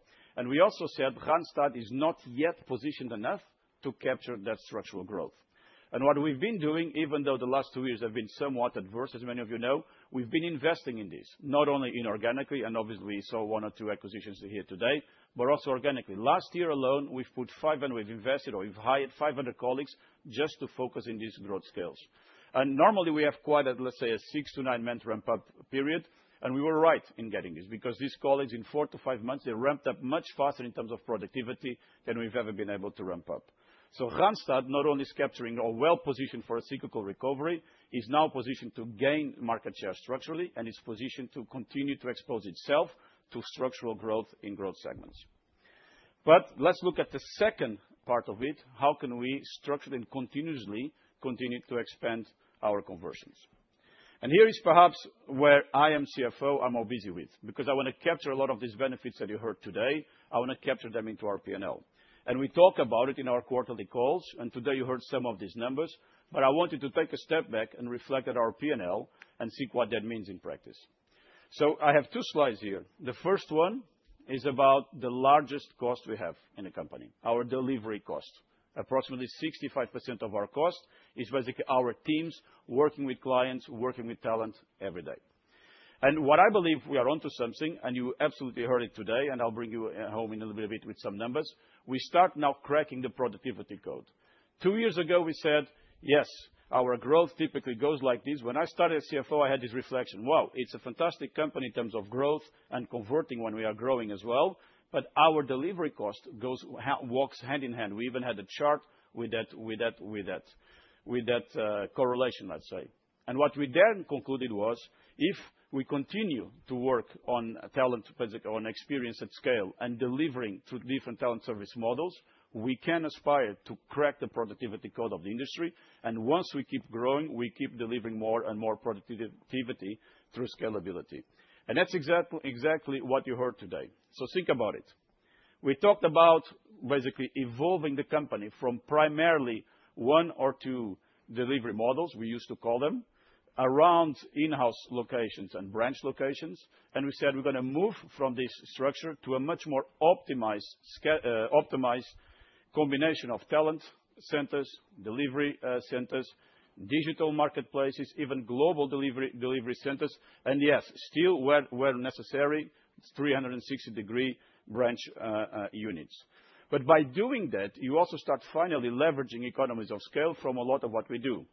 We also said Randstad is not yet positioned enough to capture that structural growth. What we've been doing, even though the last two years have been somewhat adverse, as many of you know, we've been investing in this, not only inorganically, and obviously, we saw one or two acquisitions here today, but also organically. Last year alone, we've put 500, we've invested or we've hired 500 colleagues just to focus in these growth scales. Normally, we have quite a, let's say, a six to nine-month ramp-up period. We were right in getting this because these colleagues, in four to five months, they ramped up much faster in terms of productivity than we've ever been able to ramp up. Randstad, not only is capturing or well-positioned for a cyclical recovery, is now positioned to gain market share structurally, and it's positioned to continue to expose itself to structural growth in growth segments. Let's look at the second part of it. How can we structurally and continuously continue to expand our conversions? Here is perhaps where I am CFO, I'm more busy with because I want to capture a lot of these benefits that you heard today. I want to capture them into our P&L. We talk about it in our quarterly calls. Today, you heard some of these numbers. I wanted to take a step back and reflect at our P&L and see what that means in practice. I have two slides here. The first one is about the largest cost we have in the company, our delivery cost. Approximately 65% of our cost is basically our teams working with clients, working with talent every day. What I believe we are onto something, and you absolutely heard it today, and I'll bring you home in a little bit with some numbers. We start now cracking the productivity code. Two years ago, we said, yes, our growth typically goes like this. When I started as CFO, I had this reflection. Wow, it's a fantastic company in terms of growth and converting when we are growing as well. Our delivery cost walks hand in hand. We even had a chart with that correlation, let's say. What we then concluded was, if we continue to work on talent, basically on experience at scale and delivering through different talent service models, we can aspire to crack the productivity code of the industry. Once we keep growing, we keep delivering more and more productivity through scalability. That is exactly what you heard today. Think about it. We talked about basically evolving the company from primarily one or two delivery models, we used to call them, around in-house locations and branch locations. We said we are going to move from this structure to a much more optimized combination of talent centers, delivery centers, digital marketplaces, even global delivery centers. Yes, still where necessary, 360-degree branch units. By doing that, you also start finally leveraging economies of scale from a lot of what we do.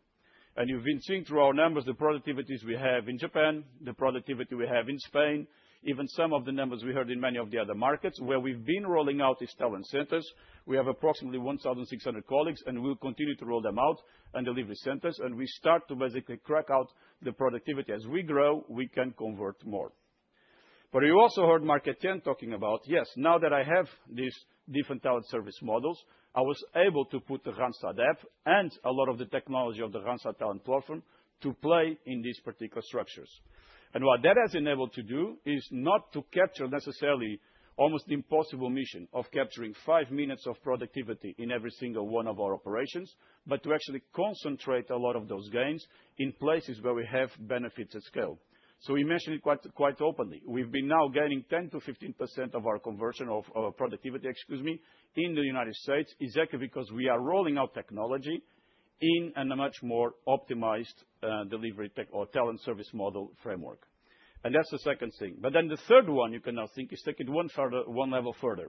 You have been seeing through our numbers the productivities we have in Japan, the productivity we have in Spain, even some of the numbers we heard in many of the other markets where we have been rolling out these talent centers. We have approximately 1,600 colleagues, and we will continue to roll them out and delivery centers. We start to basically crack out the productivity. As we grow, we can convert more. You also heard Marc-Etienne talking about, yes, now that I have these different talent service models, I was able to put the Randstad App and a lot of the technology of the Randstad Talent Platform to play in these particular structures. What that has enabled to do is not to capture necessarily almost the impossible mission of capturing five minutes of productivity in every single one of our operations, but to actually concentrate a lot of those gains in places where we have benefits at scale. We mentioned it quite openly. We've been now gaining 10% to 15% of our conversion of productivity, excuse me, in the United States exactly because we are rolling out technology in a much more optimized delivery or talent service model framework. That's the second thing. The third one you can now think is take it one level further.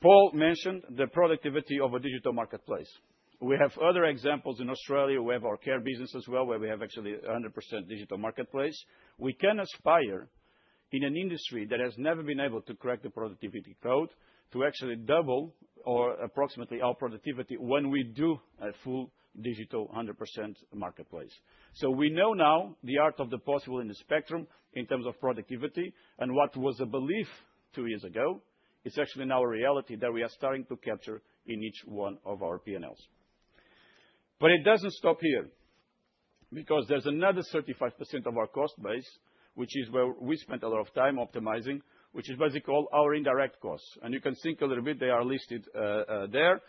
Paul mentioned the productivity of a digital marketplace. We have other examples in Australia. We have our care business as well, where we have actually a 100% digital marketplace. We can aspire in an industry that has never been able to crack the productivity code to actually double or approximately our productivity when we do a full digital 100% marketplace. We know now the art of the possible in the spectrum in terms of productivity and what was a belief two years ago. It's actually now a reality that we are starting to capture in each one of our P&Ls. It doesn't stop here because there's another 35% of our cost base, which is where we spent a lot of time optimizing, which is basically all our indirect costs. You can think a little bit. They are listed there.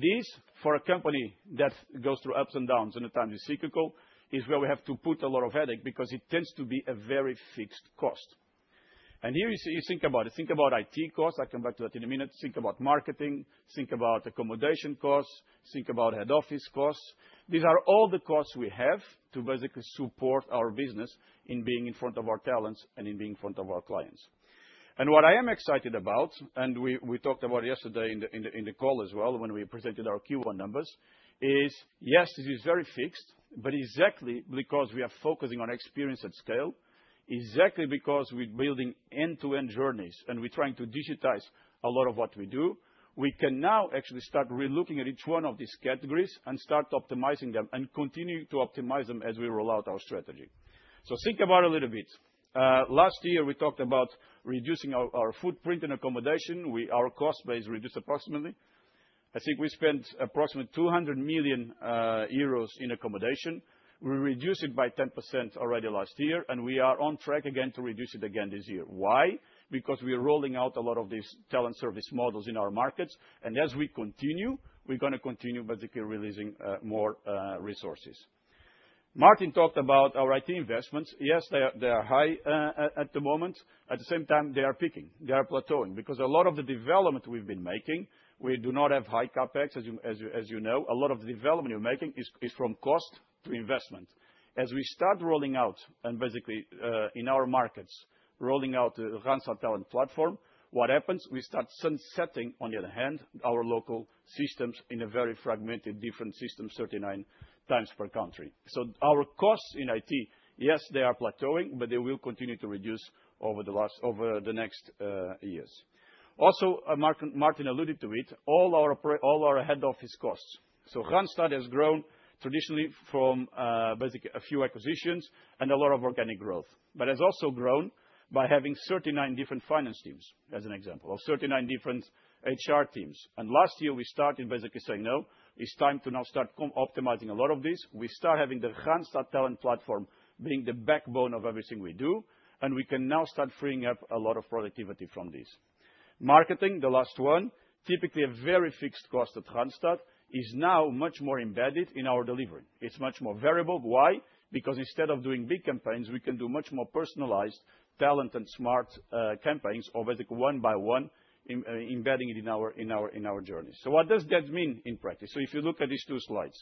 These, for a company that goes through ups and downs in the time of cyclical, is where we have to put a lot of headache because it tends to be a very fixed cost. Here you think about it. Think about IT costs. I'll come back to that in a minute. Think about marketing. Think about accommodation costs. Think about head office costs. These are all the costs we have to basically support our business in being in front of our talents and in being in front of our clients. What I am excited about, and we talked about yesterday in the call as well when we presented our Q1 numbers, is yes, this is very fixed, but exactly because we are focusing on experience at scale, exactly because we're building end-to-end journeys and we're trying to digitize a lot of what we do, we can now actually start relooking at each one of these categories and start optimizing them and continue to optimize them as we roll out our strategy. Think about it a little bit. Last year, we talked about reducing our footprint in accommodation. Our cost base reduced approximately. I think we spent approximately 200 million euros in accommodation. We reduced it by 10% already last year, and we are on track again to reduce it again this year. Why? Because we're rolling out a lot of these talent service models in our markets. As we continue, we're going to continue basically releasing more resources. Martin talked about our IT investments. Yes, they are high at the moment. At the same time, they are peaking. They are plateauing because a lot of the development we've been making, we do not have high CapEx, as you know. A lot of the development you're making is from cost to investment. As we start rolling out and basically in our markets, rolling out the Randstad Talent Platform, what happens? We start sunsetting, on the other hand, our local systems in a very fragmented different system 39 times per country. Our costs in IT, yes, they are plateauing, but they will continue to reduce over the next years. Also, Martin alluded to it, all our head office costs. Randstad has grown traditionally from basically a few acquisitions and a lot of organic growth. It has also grown by having 39 different finance teams, as an example, or 39 different HR teams. Last year, we started basically saying, no, it is time to now start optimizing a lot of this. We start having the Randstad Talent Platform being the backbone of everything we do, and we can now start freeing up a lot of productivity from this. Marketing, the last one, typically a very fixed cost at Randstad, is now much more embedded in our delivery. It's much more variable. Why? Because instead of doing big campaigns, we can do much more personalized, talent and smart campaigns or basically one by one, embedding it in our journey. What does that mean in practice? If you look at these two slides,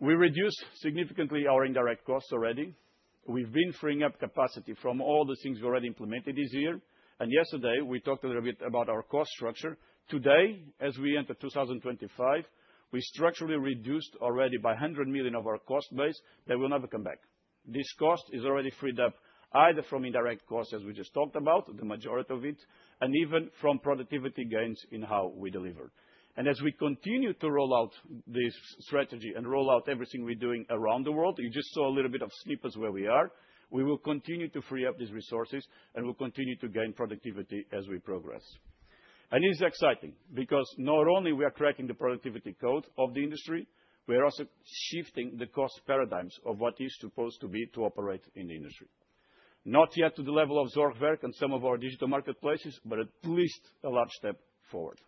we reduced significantly our indirect costs already. We've been freeing up capacity from all the things we already implemented this year. Yesterday, we talked a little bit about our cost structure. Today, as we enter 2025, we structurally reduced already by 100 million of our cost base that will never come back. This cost is already freed up either from indirect costs, as we just talked about, the majority of it, and even from productivity gains in how we deliver. As we continue to roll out this strategy and roll out everything we're doing around the world, you just saw a little bit of snippets where we are. We will continue to free up these resources and we'll continue to gain productivity as we progress. It is exciting because not only are we cracking the productivity code of the industry, we are also shifting the cost paradigms of what is supposed to be to operate in the industry. Not yet to the level of Zorgwerk and some of our digital marketplaces, but at least a large step forward.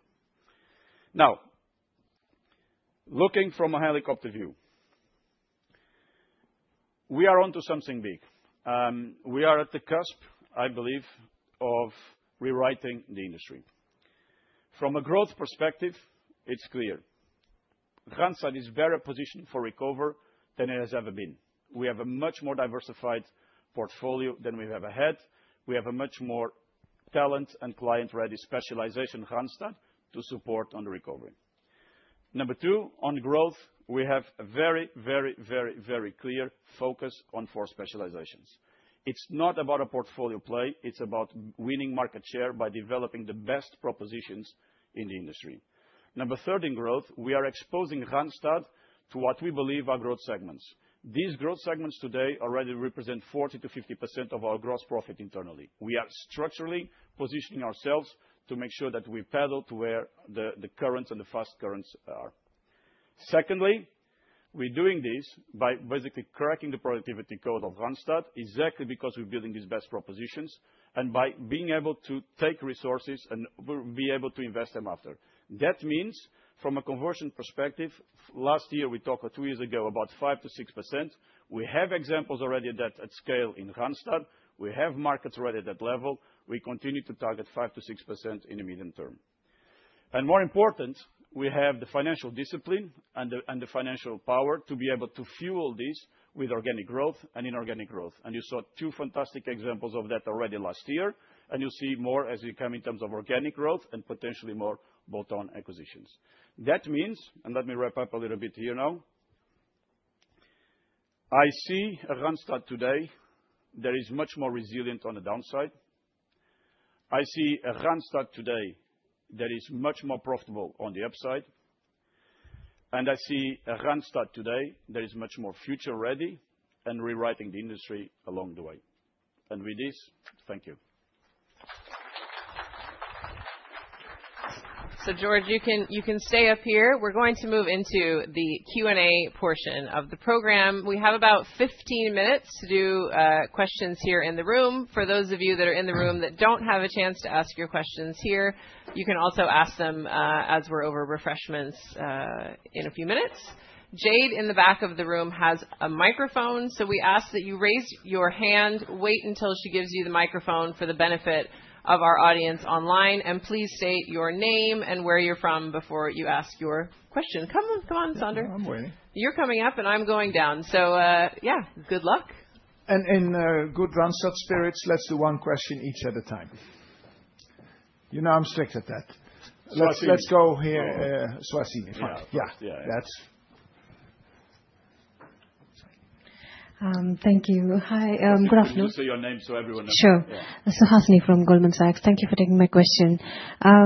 Now, looking from a helicopter view, we are onto something big. We are at the cusp, I believe, of rewriting the industry. From a growth perspective, it's clear Randstad is better positioned for recovery than it has ever been. We have a much more diversified portfolio than we have ahead. We have a much more talent and client-ready specialization in Randstad to support on the recovery. Number two, on growth, we have a very, very, very, very clear focus on four specializations. It's not about a portfolio play. It's about winning market share by developing the best propositions in the industry. Number third in growth, we are exposing Randstad to what we believe are growth segments. These growth segments today already represent 40% to 50% of our gross profit internally. We are structurally positioning ourselves to make sure that we paddle to where the currents and the fast currents are. Secondly, we're doing this by basically cracking the productivity code of Randstad exactly because we're building these best propositions and by being able to take resources and be able to invest them after. That means from a conversion perspective, last year, we talked two years ago about 5% to 6%. We have examples already at that scale in Randstad. We have markets already at that level. We continue to target 5% to 6% in the medium term. More important, we have the financial discipline and the financial power to be able to fuel this with organic growth and inorganic growth. You saw two fantastic examples of that already last year. You'll see more as we come in terms of organic growth and potentially more bolt-on acquisitions. That means, let me wrap up a little bit here now, I see a Randstad today that is much more resilient on the downside. I see a Randstad today that is much more profitable on the upside. I see a Randstad today that is much more future-ready and rewriting the industry along the way. With this, thank you. Jorge, you can stay up here. We're going to move into the Q&A portion of the program. We have about 15 minutes to do questions here in the room. For those of you that are in the room that do not have a chance to ask your questions here, you can also ask them as we are over refreshments in a few minutes. Jade in the back of the room has a microphone. We ask that you raise your hand, wait until she gives you the microphone for the benefit of our audience online. Please state your name and where you are from before you ask your question. Come on, Sander. I'm waiting. You're coming up, and I'm going down. Yeah, good luck. In good Randstad spirits, let's do one question each at a time. You know I'm strict at that. Let's go here. Suhasini, if you know. Yeah, that's. Thank you. Hi. Good afternoon. Your name so everyone knows. Sure. Suhasini from Goldman Sachs. Thank you for taking my question.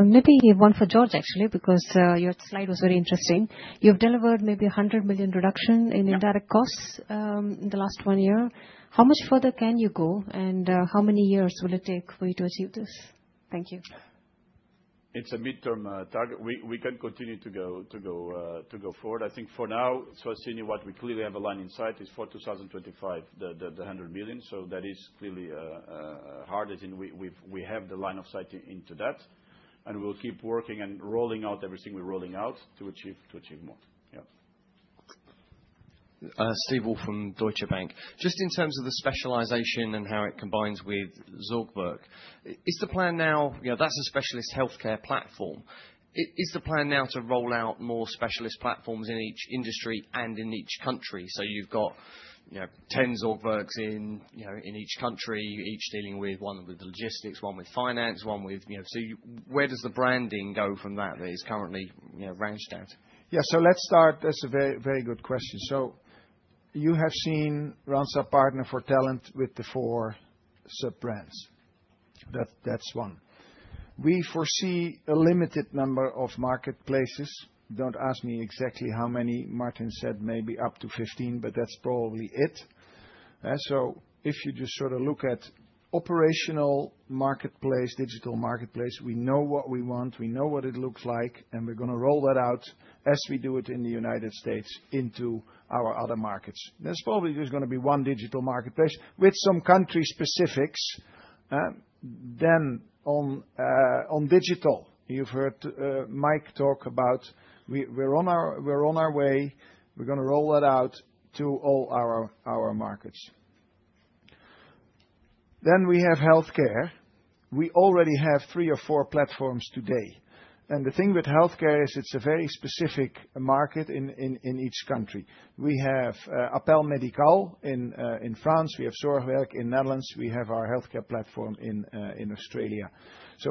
Maybe one for Jorge, actually, because your slide was very interesting. You've delivered maybe a 100 million reduction in indirect costs in the last one year. How much further can you go? And how many years will it take for you to achieve this? Thank you. It's a midterm target. We can continue to go forward. I think for now, Suhasini, what we clearly have a line in sight is for 2025, the 100 million. That is clearly hard as in we have the line of sight into that. We'll keep working and rolling out everything we're rolling out to achieve more. Yeah. Steve from Deutsche Bank. Just in terms of the specialization and how it combines with Zorgwerk, is the plan now that's a specialist healthcare platform. Is the plan now to roll out more specialist platforms in each industry and in each country? You have got 10 Zorgwerks in each country, each dealing with one with logistics, one with finance, one with so where does the branding go from that that is currently ranched out? Yeah, so let's start. That's a very good question. You have seen Randstad Partner for Talent with the four sub-brands. That's one. We foresee a limited number of marketplaces. Don't ask me exactly how many. Martin said maybe up to 15, but that's probably it. If you just sort of look at operational marketplace, digital marketplace, we know what we want. We know what it looks like. We're going to roll that out as we do it in the United States into our other markets. There's probably just going to be one digital marketplace with some country specifics. On digital, you've heard Mike talk about we're on our way. We're going to roll that out to all our markets. We have healthcare. We already have three or four platforms today. The thing with healthcare is it's a very specific market in each country. We have Appel Médical in France. We have Zorgwerk in the Netherlands. We have our healthcare platform in Australia.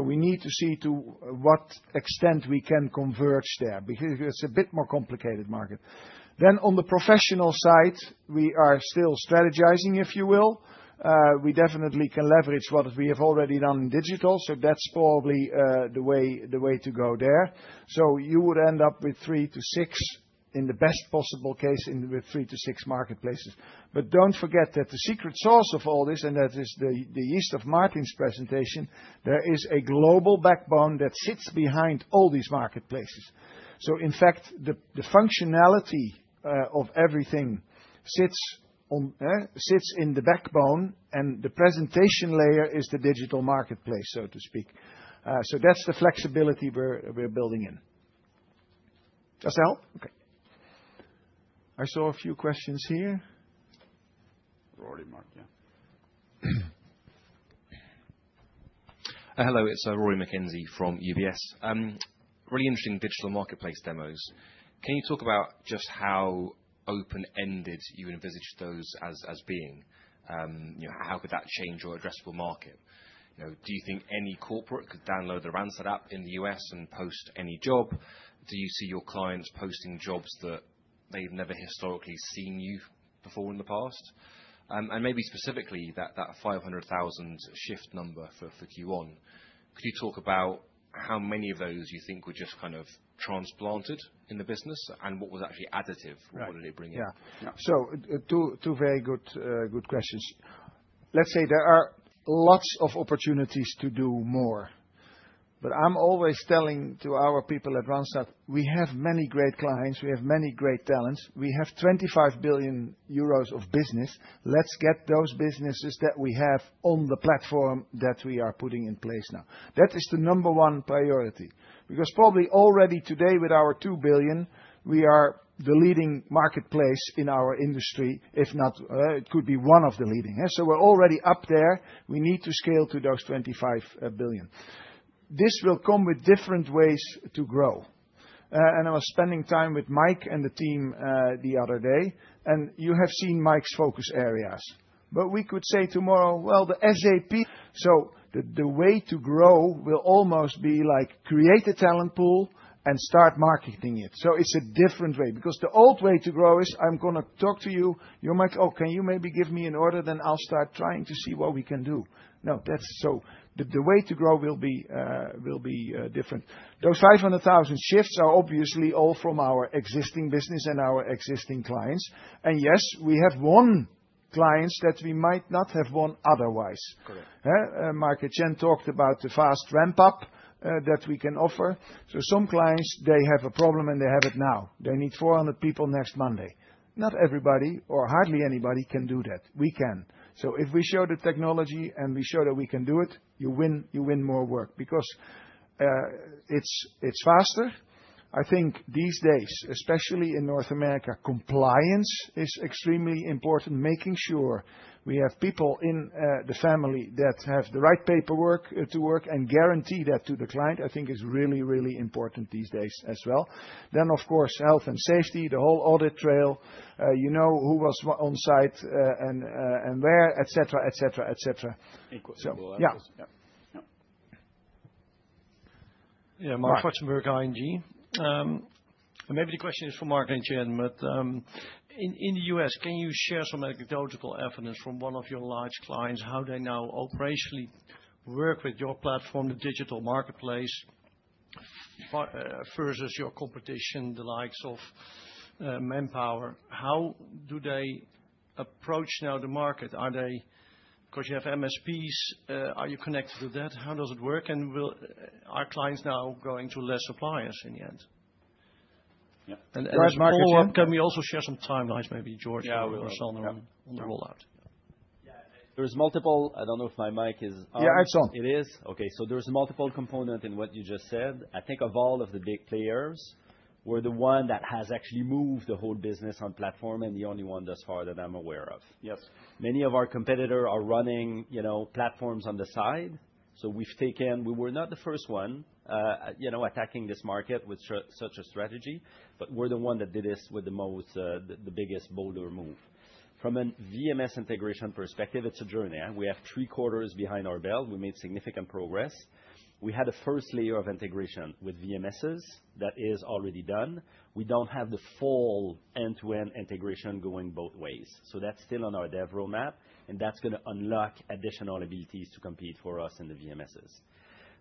We need to see to what extent we can converge there because it's a bit more complicated market. On the professional side, we are still strategizing, if you will. We definitely can leverage what we have already done in digital. That's probably the way to go there. You would end up with three to six, in the best possible case, with three to six marketplaces. Don't forget that the secret sauce of all this, and that is the yeast of Martin's presentation, there is a global backbone that sits behind all these marketplaces. In fact, the functionality of everything sits in the backbone, and the presentation layer is the digital marketplace, so to speak. That's the flexibility we're building in. Does that help? Okay. I saw a few questions here. Rory McKenzie, yeah. Hello, it's Rory McKenzie from UBS. Really interesting digital marketplace demos. Can you talk about just how open-ended you envisage those as being? How could that change your addressable market? Do you think any corporate could download the Randstad app in the U.S. and post any job? Do you see your clients posting jobs that they've never historically seen you perform in the past? Maybe specifically that 500,000 shift number for Q1. Could you talk about how many of those you think were just kind of transplanted in the business and what was actually additive? What did it bring in? Yeah. Two very good questions. Let's say there are lots of opportunities to do more. I'm always telling our people at Randstad, we have many great clients. We have many great talents. We have 25 billion euros of business. Let's get those businesses that we have on the platform that we are putting in place now. That is the number one priority because probably already today with our 2 billion, we are the leading marketplace in our industry, if not it could be one of the leading. We're already up there. We need to scale to those 25 billion. This will come with different ways to grow. I was spending time with Mike and the team the other day. You have seen Mike's focus areas. We could say tomorrow, well, the SAP. The way to grow will almost be like create a talent pool and start marketing it. It is a different way because the old way to grow is I'm going to talk to you. You're like, oh, can you maybe give me an order? Then I'll start trying to see what we can do. No, the way to grow will be different. Those 500,000 shifts are obviously all from our existing business and our existing clients. Yes, we have won clients that we might not have won otherwise. Mark and Jorge talked about the fast ramp-up that we can offer. Some clients, they have a problem and they have it now. They need 400 people next Monday. Not everybody or hardly anybody can do that. We can. If we show the technology and we show that we can do it, you win more work because it's faster. I think these days, especially in North America, compliance is extremely important, making sure we have people in the family that have the right paperwork to work and guarantee that to the client. I think it's really, really important these days as well. Of course, health and safety, the whole audit trail. You know who was on site and where, et cetera, et cetera, et cetera. Yeah. Yeah. Yeah. Mark Fletchenberg, ING. Maybe the question is for Mark and Jorge, but in the U.S., can you share some anecdotal evidence from one of your large clients? How they now operationally work with your platform, the digital marketplace versus your competition, the likes of Manpower? How do they approach now the market? Because you have MSPs, are you connected to that? How does it work? Are clients now going to less suppliers in the end? Can we also share some timelines, maybe, Jorge, or Sander, on the rollout? Yeah. There's multiple. I don't know if my mic is on. Yeah, it's on. It is? Okay. There are multiple components in what you just said. I think of all of the big players, we're the one that has actually moved the whole business on platform and the only one thus far that I'm aware of. Many of our competitors are running platforms on the side. We've taken we were not the first one attacking this market with such a strategy, but we're the one that did this with the biggest boulder move. From a VMS integration perspective, it's a journey. We have three quarters behind our belt. We made significant progress. We had a first layer of integration with VMSs that is already done. We don't have the full end-to-end integration going both ways. That's still on our dev roadmap. That's going to unlock additional abilities to compete for us in the VMSs.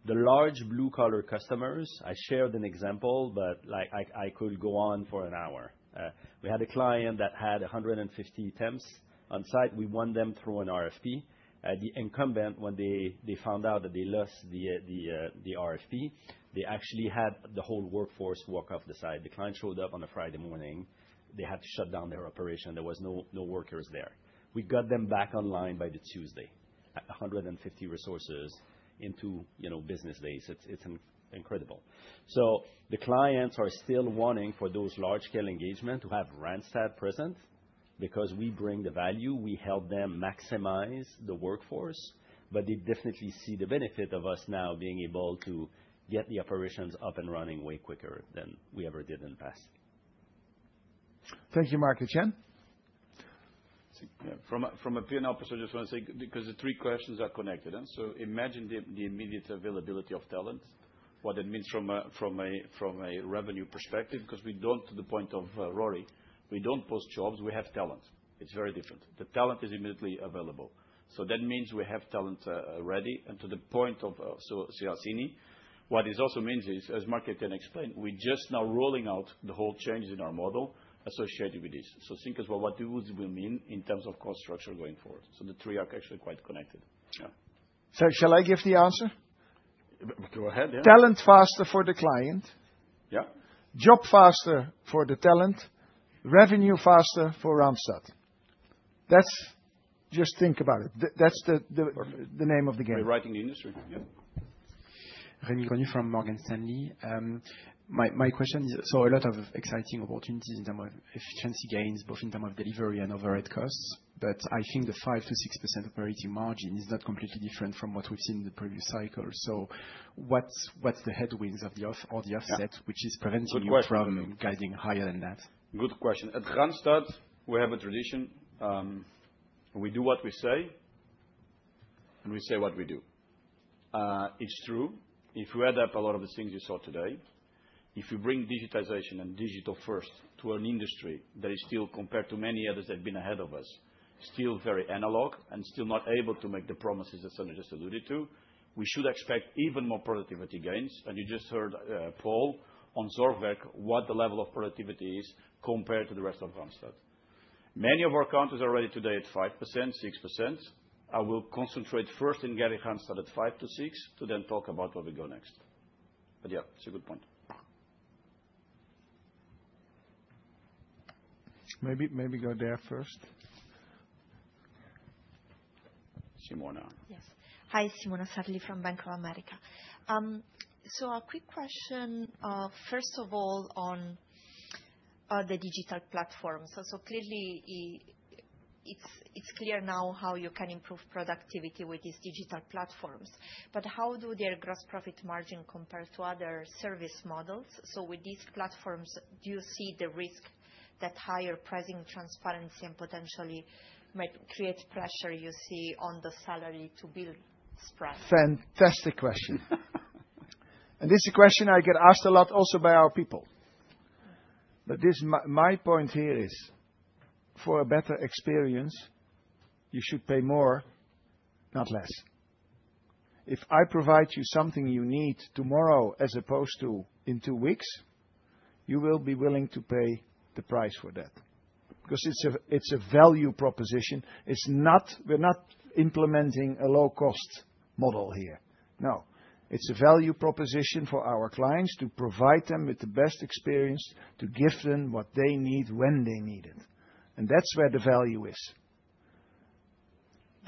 The large blue-collar customers, I shared an example, but I could go on for an hour. We had a client that had 150 temps on site. We won them through an RFP. The incumbent, when they found out that they lost the RFP, they actually had the whole workforce walk off the site. The client showed up on a Friday morning. They had to shut down their operation. There were no workers there. We got them back online by Tuesday, 150 resources in two business days. It's incredible. The clients are still wanting for those large-scale engagements to have Randstad present because we bring the value. We help them maximize the workforce. They definitely see the benefit of us now being able to get the operations up and running way quicker than we ever did in the past. Thank you, Marc and Jorge. From a P&L perspective, I just want to say because the three questions are connected. Imagine the immediate availability of talent, what that means from a revenue perspective, because we do not, to the point of Rory, we do not post jobs. We have talent. It is very different. The talent is immediately available. That means we have talent ready. To the point of Suhasini, what this also means is, as Marc and Jorge explained, we are just now rolling out the whole change in our model associated with this. Think as well what do we mean in terms of cost structure going forward. The three are actually quite connected. Shall I give the answer? Go ahead. Talent faster for the client, job faster for the talent, revenue faster for Randstad. Just think about it. That's the name of the game. We're writing the industry. Yeah. A lot of exciting opportunities in terms of efficiency gains, both in terms of delivery and overhead costs. I think the 5%-6% operating margin is not completely different from what we've seen in the previous cycle. What is the headwind or the offset which is preventing you from guiding higher than that? Good question. At Randstad, we have a tradition. We do what we say, and we say what we do. It's true. If we add up a lot of the things you saw today, if we bring digitization and digital first to an industry that is still, compared to many others that have been ahead of us, still very analog and still not able to make the promises that Sander just alluded to, we should expect even more productivity gains. You just heard Paul on Zorgwerk what the level of productivity is compared to the rest of Randstad. Many of our countries are already today at 5%, 6%. I will concentrate first in getting Randstad at 5% to 6% to then talk about where we go next. Yeah, it's a good point. Maybe go there first. Simona? Yes. Hi, Simona Sarli from Bank of America. A quick question, first of all, on the digital platforms. Clearly, it's clear now how you can improve productivity with these digital platforms. How do their gross profit margin compare to other service models? With these platforms, do you see the risk that higher pricing, transparency, and potentially create pressure you see on the salary to build spreads? Fantastic question. This is a question I get asked a lot also by our people. My point here is, for a better experience, you should pay more, not less. If I provide you something you need tomorrow as opposed to in two weeks, you will be willing to pay the price for that because it's a value proposition. We're not implementing a low-cost model here. No. It's a value proposition for our clients to provide them with the best experience to give them what they need when they need it. That's where the value is.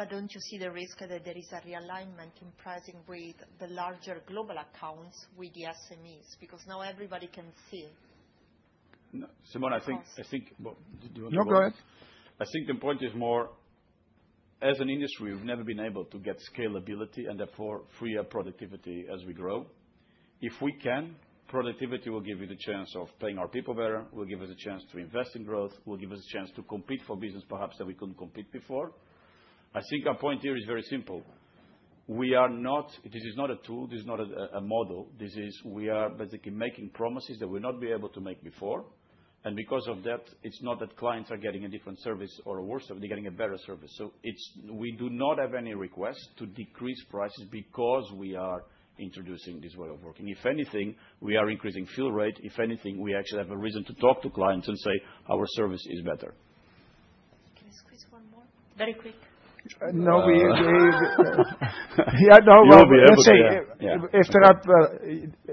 Don't you see the risk that there is a realignment in pricing with the larger global accounts with the SMEs? Because now everybody can see. Simona, I think. No, go ahead. I think the point is more, as an industry, we've never been able to get scalability and therefore free up productivity as we grow. If we can, productivity will give you the chance of paying our people better. It will give us a chance to invest in growth. It will give us a chance to compete for business perhaps that we couldn't compete before. I think our point here is very simple. This is not a tool. This is not a model. We are basically making promises that we will not be able to make before. Because of that, it's not that clients are getting a different service or worse service. They're getting a better service. We do not have any request to decrease prices because we are introducing this way of working. If anything, we are increasing fill rate. If anything, we actually have a reason to talk to clients and say our service is better. Can I squeeze one more? Very quick. No, we gave. You'll be able to. Let's say if they're up.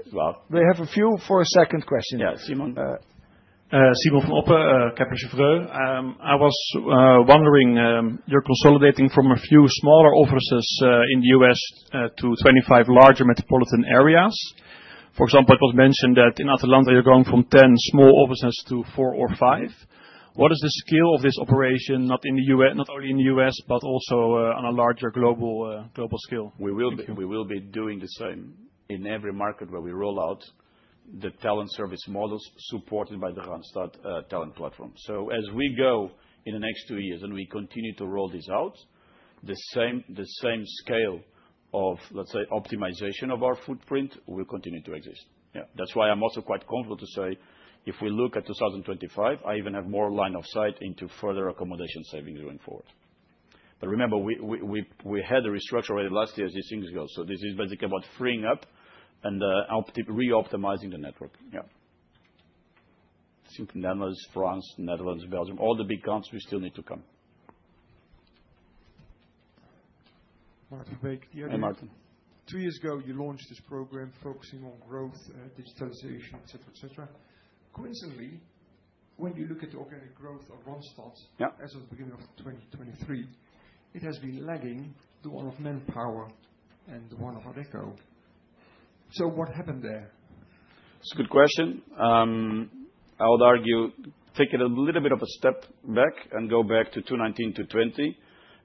As well. We have a few for a second question. Yeah, Simon. Simon van Oppen, Kepler Cheuvreux. I was wondering, you're consolidating from a few smaller offices in the U.S. to 25 larger metropolitan areas. For example, it was mentioned that in Atlanta, you're going from 10 small offices to four or five. What is the scale of this operation, not only in the U.S., but also on a larger global scale? We will be doing the same in every market where we roll out the talent service models supported by the Randstad Talent Platform. As we go in the next two years and we continue to roll this out, the same scale of, let's say, optimization of our footprint will continue to exist. Yeah. That's why I'm also quite comfortable to say if we look at 2025, I even have more line of sight into further accommodation savings going forward. Remember, we had a restructure already last year as you think ago. This is basically about freeing up and reoptimizing the network. Yeah. Simply Netherlands, France, Netherlands, Belgium, all the big counts, we still need to come. Two years ago, you launched this program focusing on growth, digitalization, et cetera, et cetera. Coincidentally, when you look at the organic growth of Randstad as of the beginning of 2023, it has been lagging the one of Manpower and the one of Adecco. So what happened there? That's a good question. I would argue take it a little bit of a step back and go back to 2019 to 2020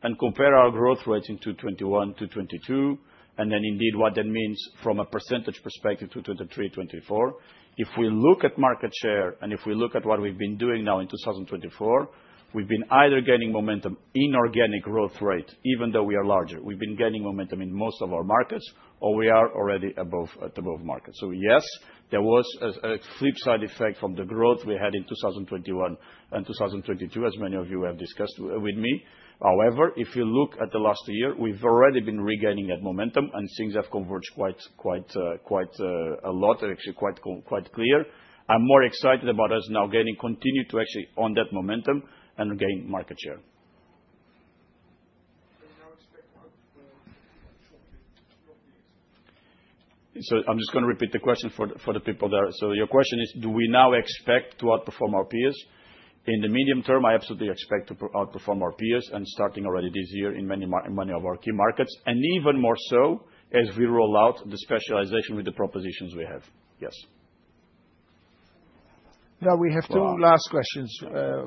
and compare our growth rates in 2021 to 2022. Then indeed what that means from a percentage perspective to 2023, 2024. If we look at market share and if we look at what we've been doing now in 2024, we've been either gaining momentum in organic growth rate, even though we are larger. We've been gaining momentum in most of our markets, or we are already at above market. Yes, there was a flip side effect from the growth we had in 2021 and 2022, as many of you have discussed with me. However, if you look at the last year, we've already been regaining that momentum and things have converged quite a lot, actually quite clear. I'm more excited about us now continuing to actually build on that momentum and gain market share. I'm just going to repeat the question for the people there. Your question is, do we now expect to outperform our peers? In the medium term, I absolutely expect to outperform our peers and starting already this year in many of our key markets. Even more so as we roll out the specialization with the propositions we have. Yes. Now we have two last questions,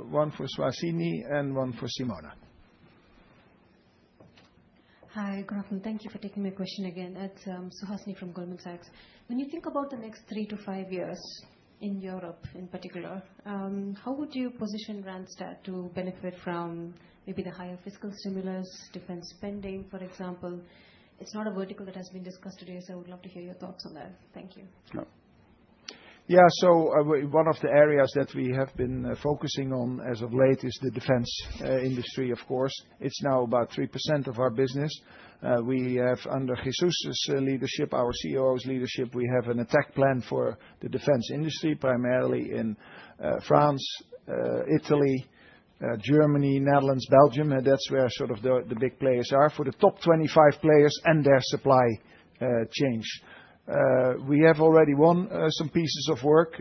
one for Suhasini and one for Simona. Hi, good afternoon. Thank you for taking my question again. It's Suhasini from Goldman Sachs. When you think about the next three to five years in Europe, in particular, how would you position Randstad to benefit from maybe the higher fiscal stimulus, defense spending, for example? It's not a vertical that has been discussed today, so I would love to hear your thoughts on that. Thank you. Yeah, so one of the areas that we have been focusing on as of late is the defense industry, of course. It's now about 3% of our business. We have, under Jesus's leadership, our CEO's leadership, we have an attack plan for the defense industry, primarily in France, Italy, Germany, Netherlands, Belgium. That's where sort of the big players are for the top 25 players and their supply chains. We have already won some pieces of work.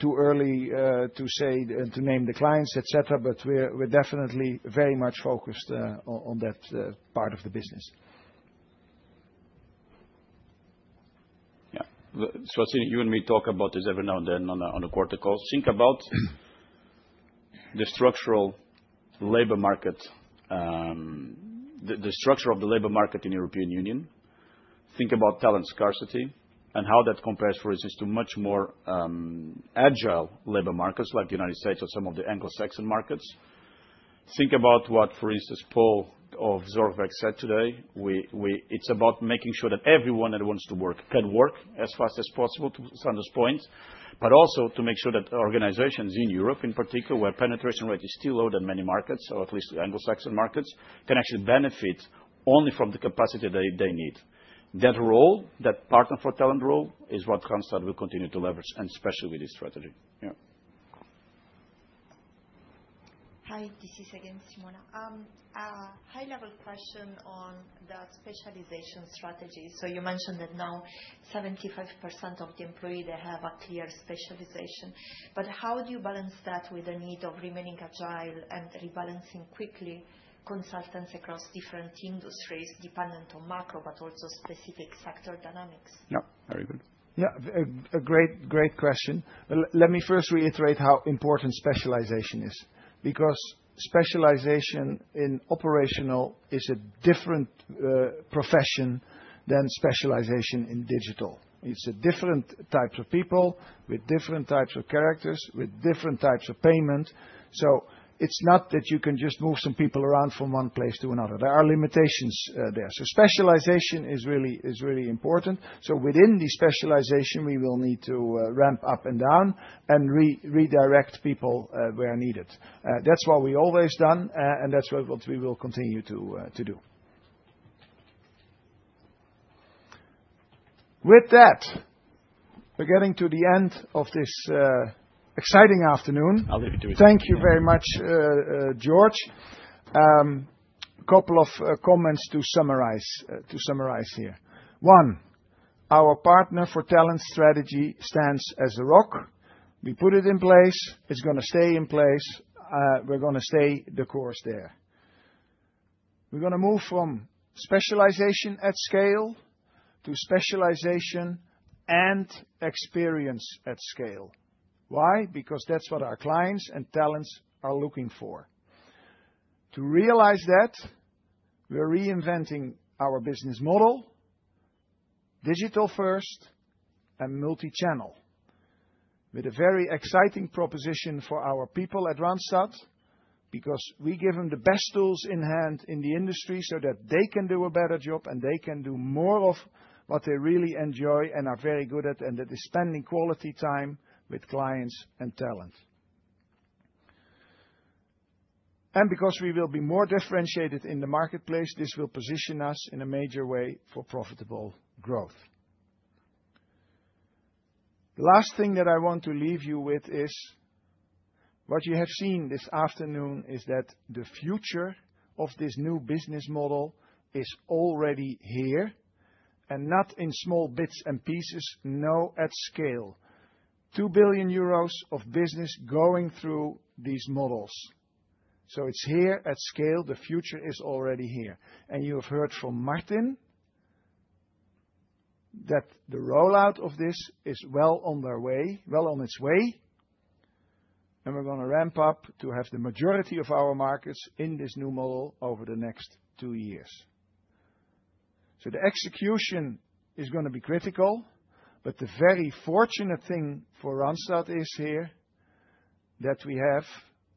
Too early to say to name the clients, et cetera, but we're definitely very much focused on that part of the business. Yeah. Suhasini, you and me talk about this every now and then on a quarter call. Think about the structural labor market, the structure of the labor market in the European Union. Think about talent scarcity and how that compares, for instance, to much more agile labor markets like the United States or some of the Anglo-Saxon markets. Think about what, for instance, Paul of Zorgwerk said today. It's about making sure that everyone that wants to work can work as fast as possible to Sander's point, but also to make sure that organizations in Europe, in particular, where penetration rate is still low than many markets, or at least the Anglo-Saxon markets, can actually benefit only from the capacity that they need. That role, that Partner for Talent role is what Randstad will continue to leverage, and especially with this strategy. Yeah. Hi, this is again Simona. A high-level question on the specialization strategy. You mentioned that now 75% of the employees, they have a clear specialization. How do you balance that with the need of remaining agile and rebalancing quickly consultants across different industries dependent on macro, but also specific sector dynamics? No, very good. Yeah, a great question. Let me first reiterate how important specialization is because specialization in operational is a different profession than specialization in digital. It's a different type of people with different types of characters, with different types of payment. It's not that you can just move some people around from one place to another. There are limitations there. Specialization is really important. Within the specialization, we will need to ramp up and down and redirect people where needed. That's what we've always done, and that's what we will continue to do. With that, we're getting to the end of this exciting afternoon. I'll leave it to you. Thank you very much, Jorge. A couple of comments to summarize here. One, our Partner for Talent strategy stands as a rock. We put it in place. It's going to stay in place. We're going to stay the course there. We're going to move from specialization at scale to specialization and experience at scale. Why? Because that's what our clients and talents are looking for. To realize that, we're reinventing our business model, digital first and multi-channel, with a very exciting proposition for our people at Randstad because we give them the best tools in hand in the industry so that they can do a better job and they can do more of what they really enjoy and are very good at, and that is spending quality time with clients and talent. Because we will be more differentiated in the marketplace, this will position us in a major way for profitable growth. The last thing that I want to leave you with is what you have seen this afternoon is that the future of this new business model is already here and not in small bits and pieces, no, at scale. 2 billion euros of business going through these models. It is here at scale. The future is already here. You have heard from Martin that the rollout of this is well on its way. We are going to ramp up to have the majority of our markets in this new model over the next two years. The execution is going to be critical. The very fortunate thing for Randstad is that we have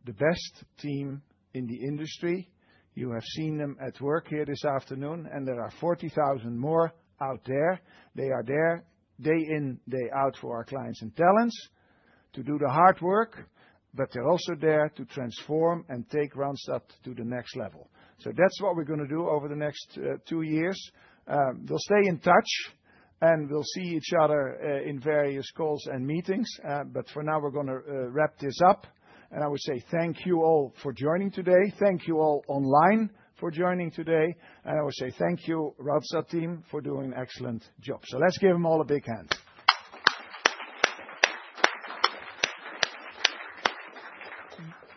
the best team in the industry. You have seen them at work here this afternoon, and there are 40,000 more out there. They are there day in, day out for our clients and talents to do the hard work, but they're also there to transform and take Randstad to the next level. That is what we're going to do over the next two years. We'll stay in touch, and we'll see each other in various calls and meetings. For now, we're going to wrap this up. I would say thank you all for joining today. Thank you all online for joining today. I would say thank you, Randstad team, for doing an excellent job. Let's give them all a big hand.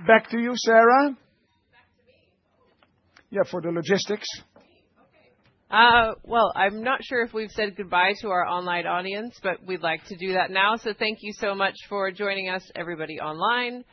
Back to you, Sarah. Back to me. Yeah, for the logistics. Okay. I'm not sure if we've said goodbye to our online audience, but we'd like to do that now. Thank you so much for joining us, everybody online.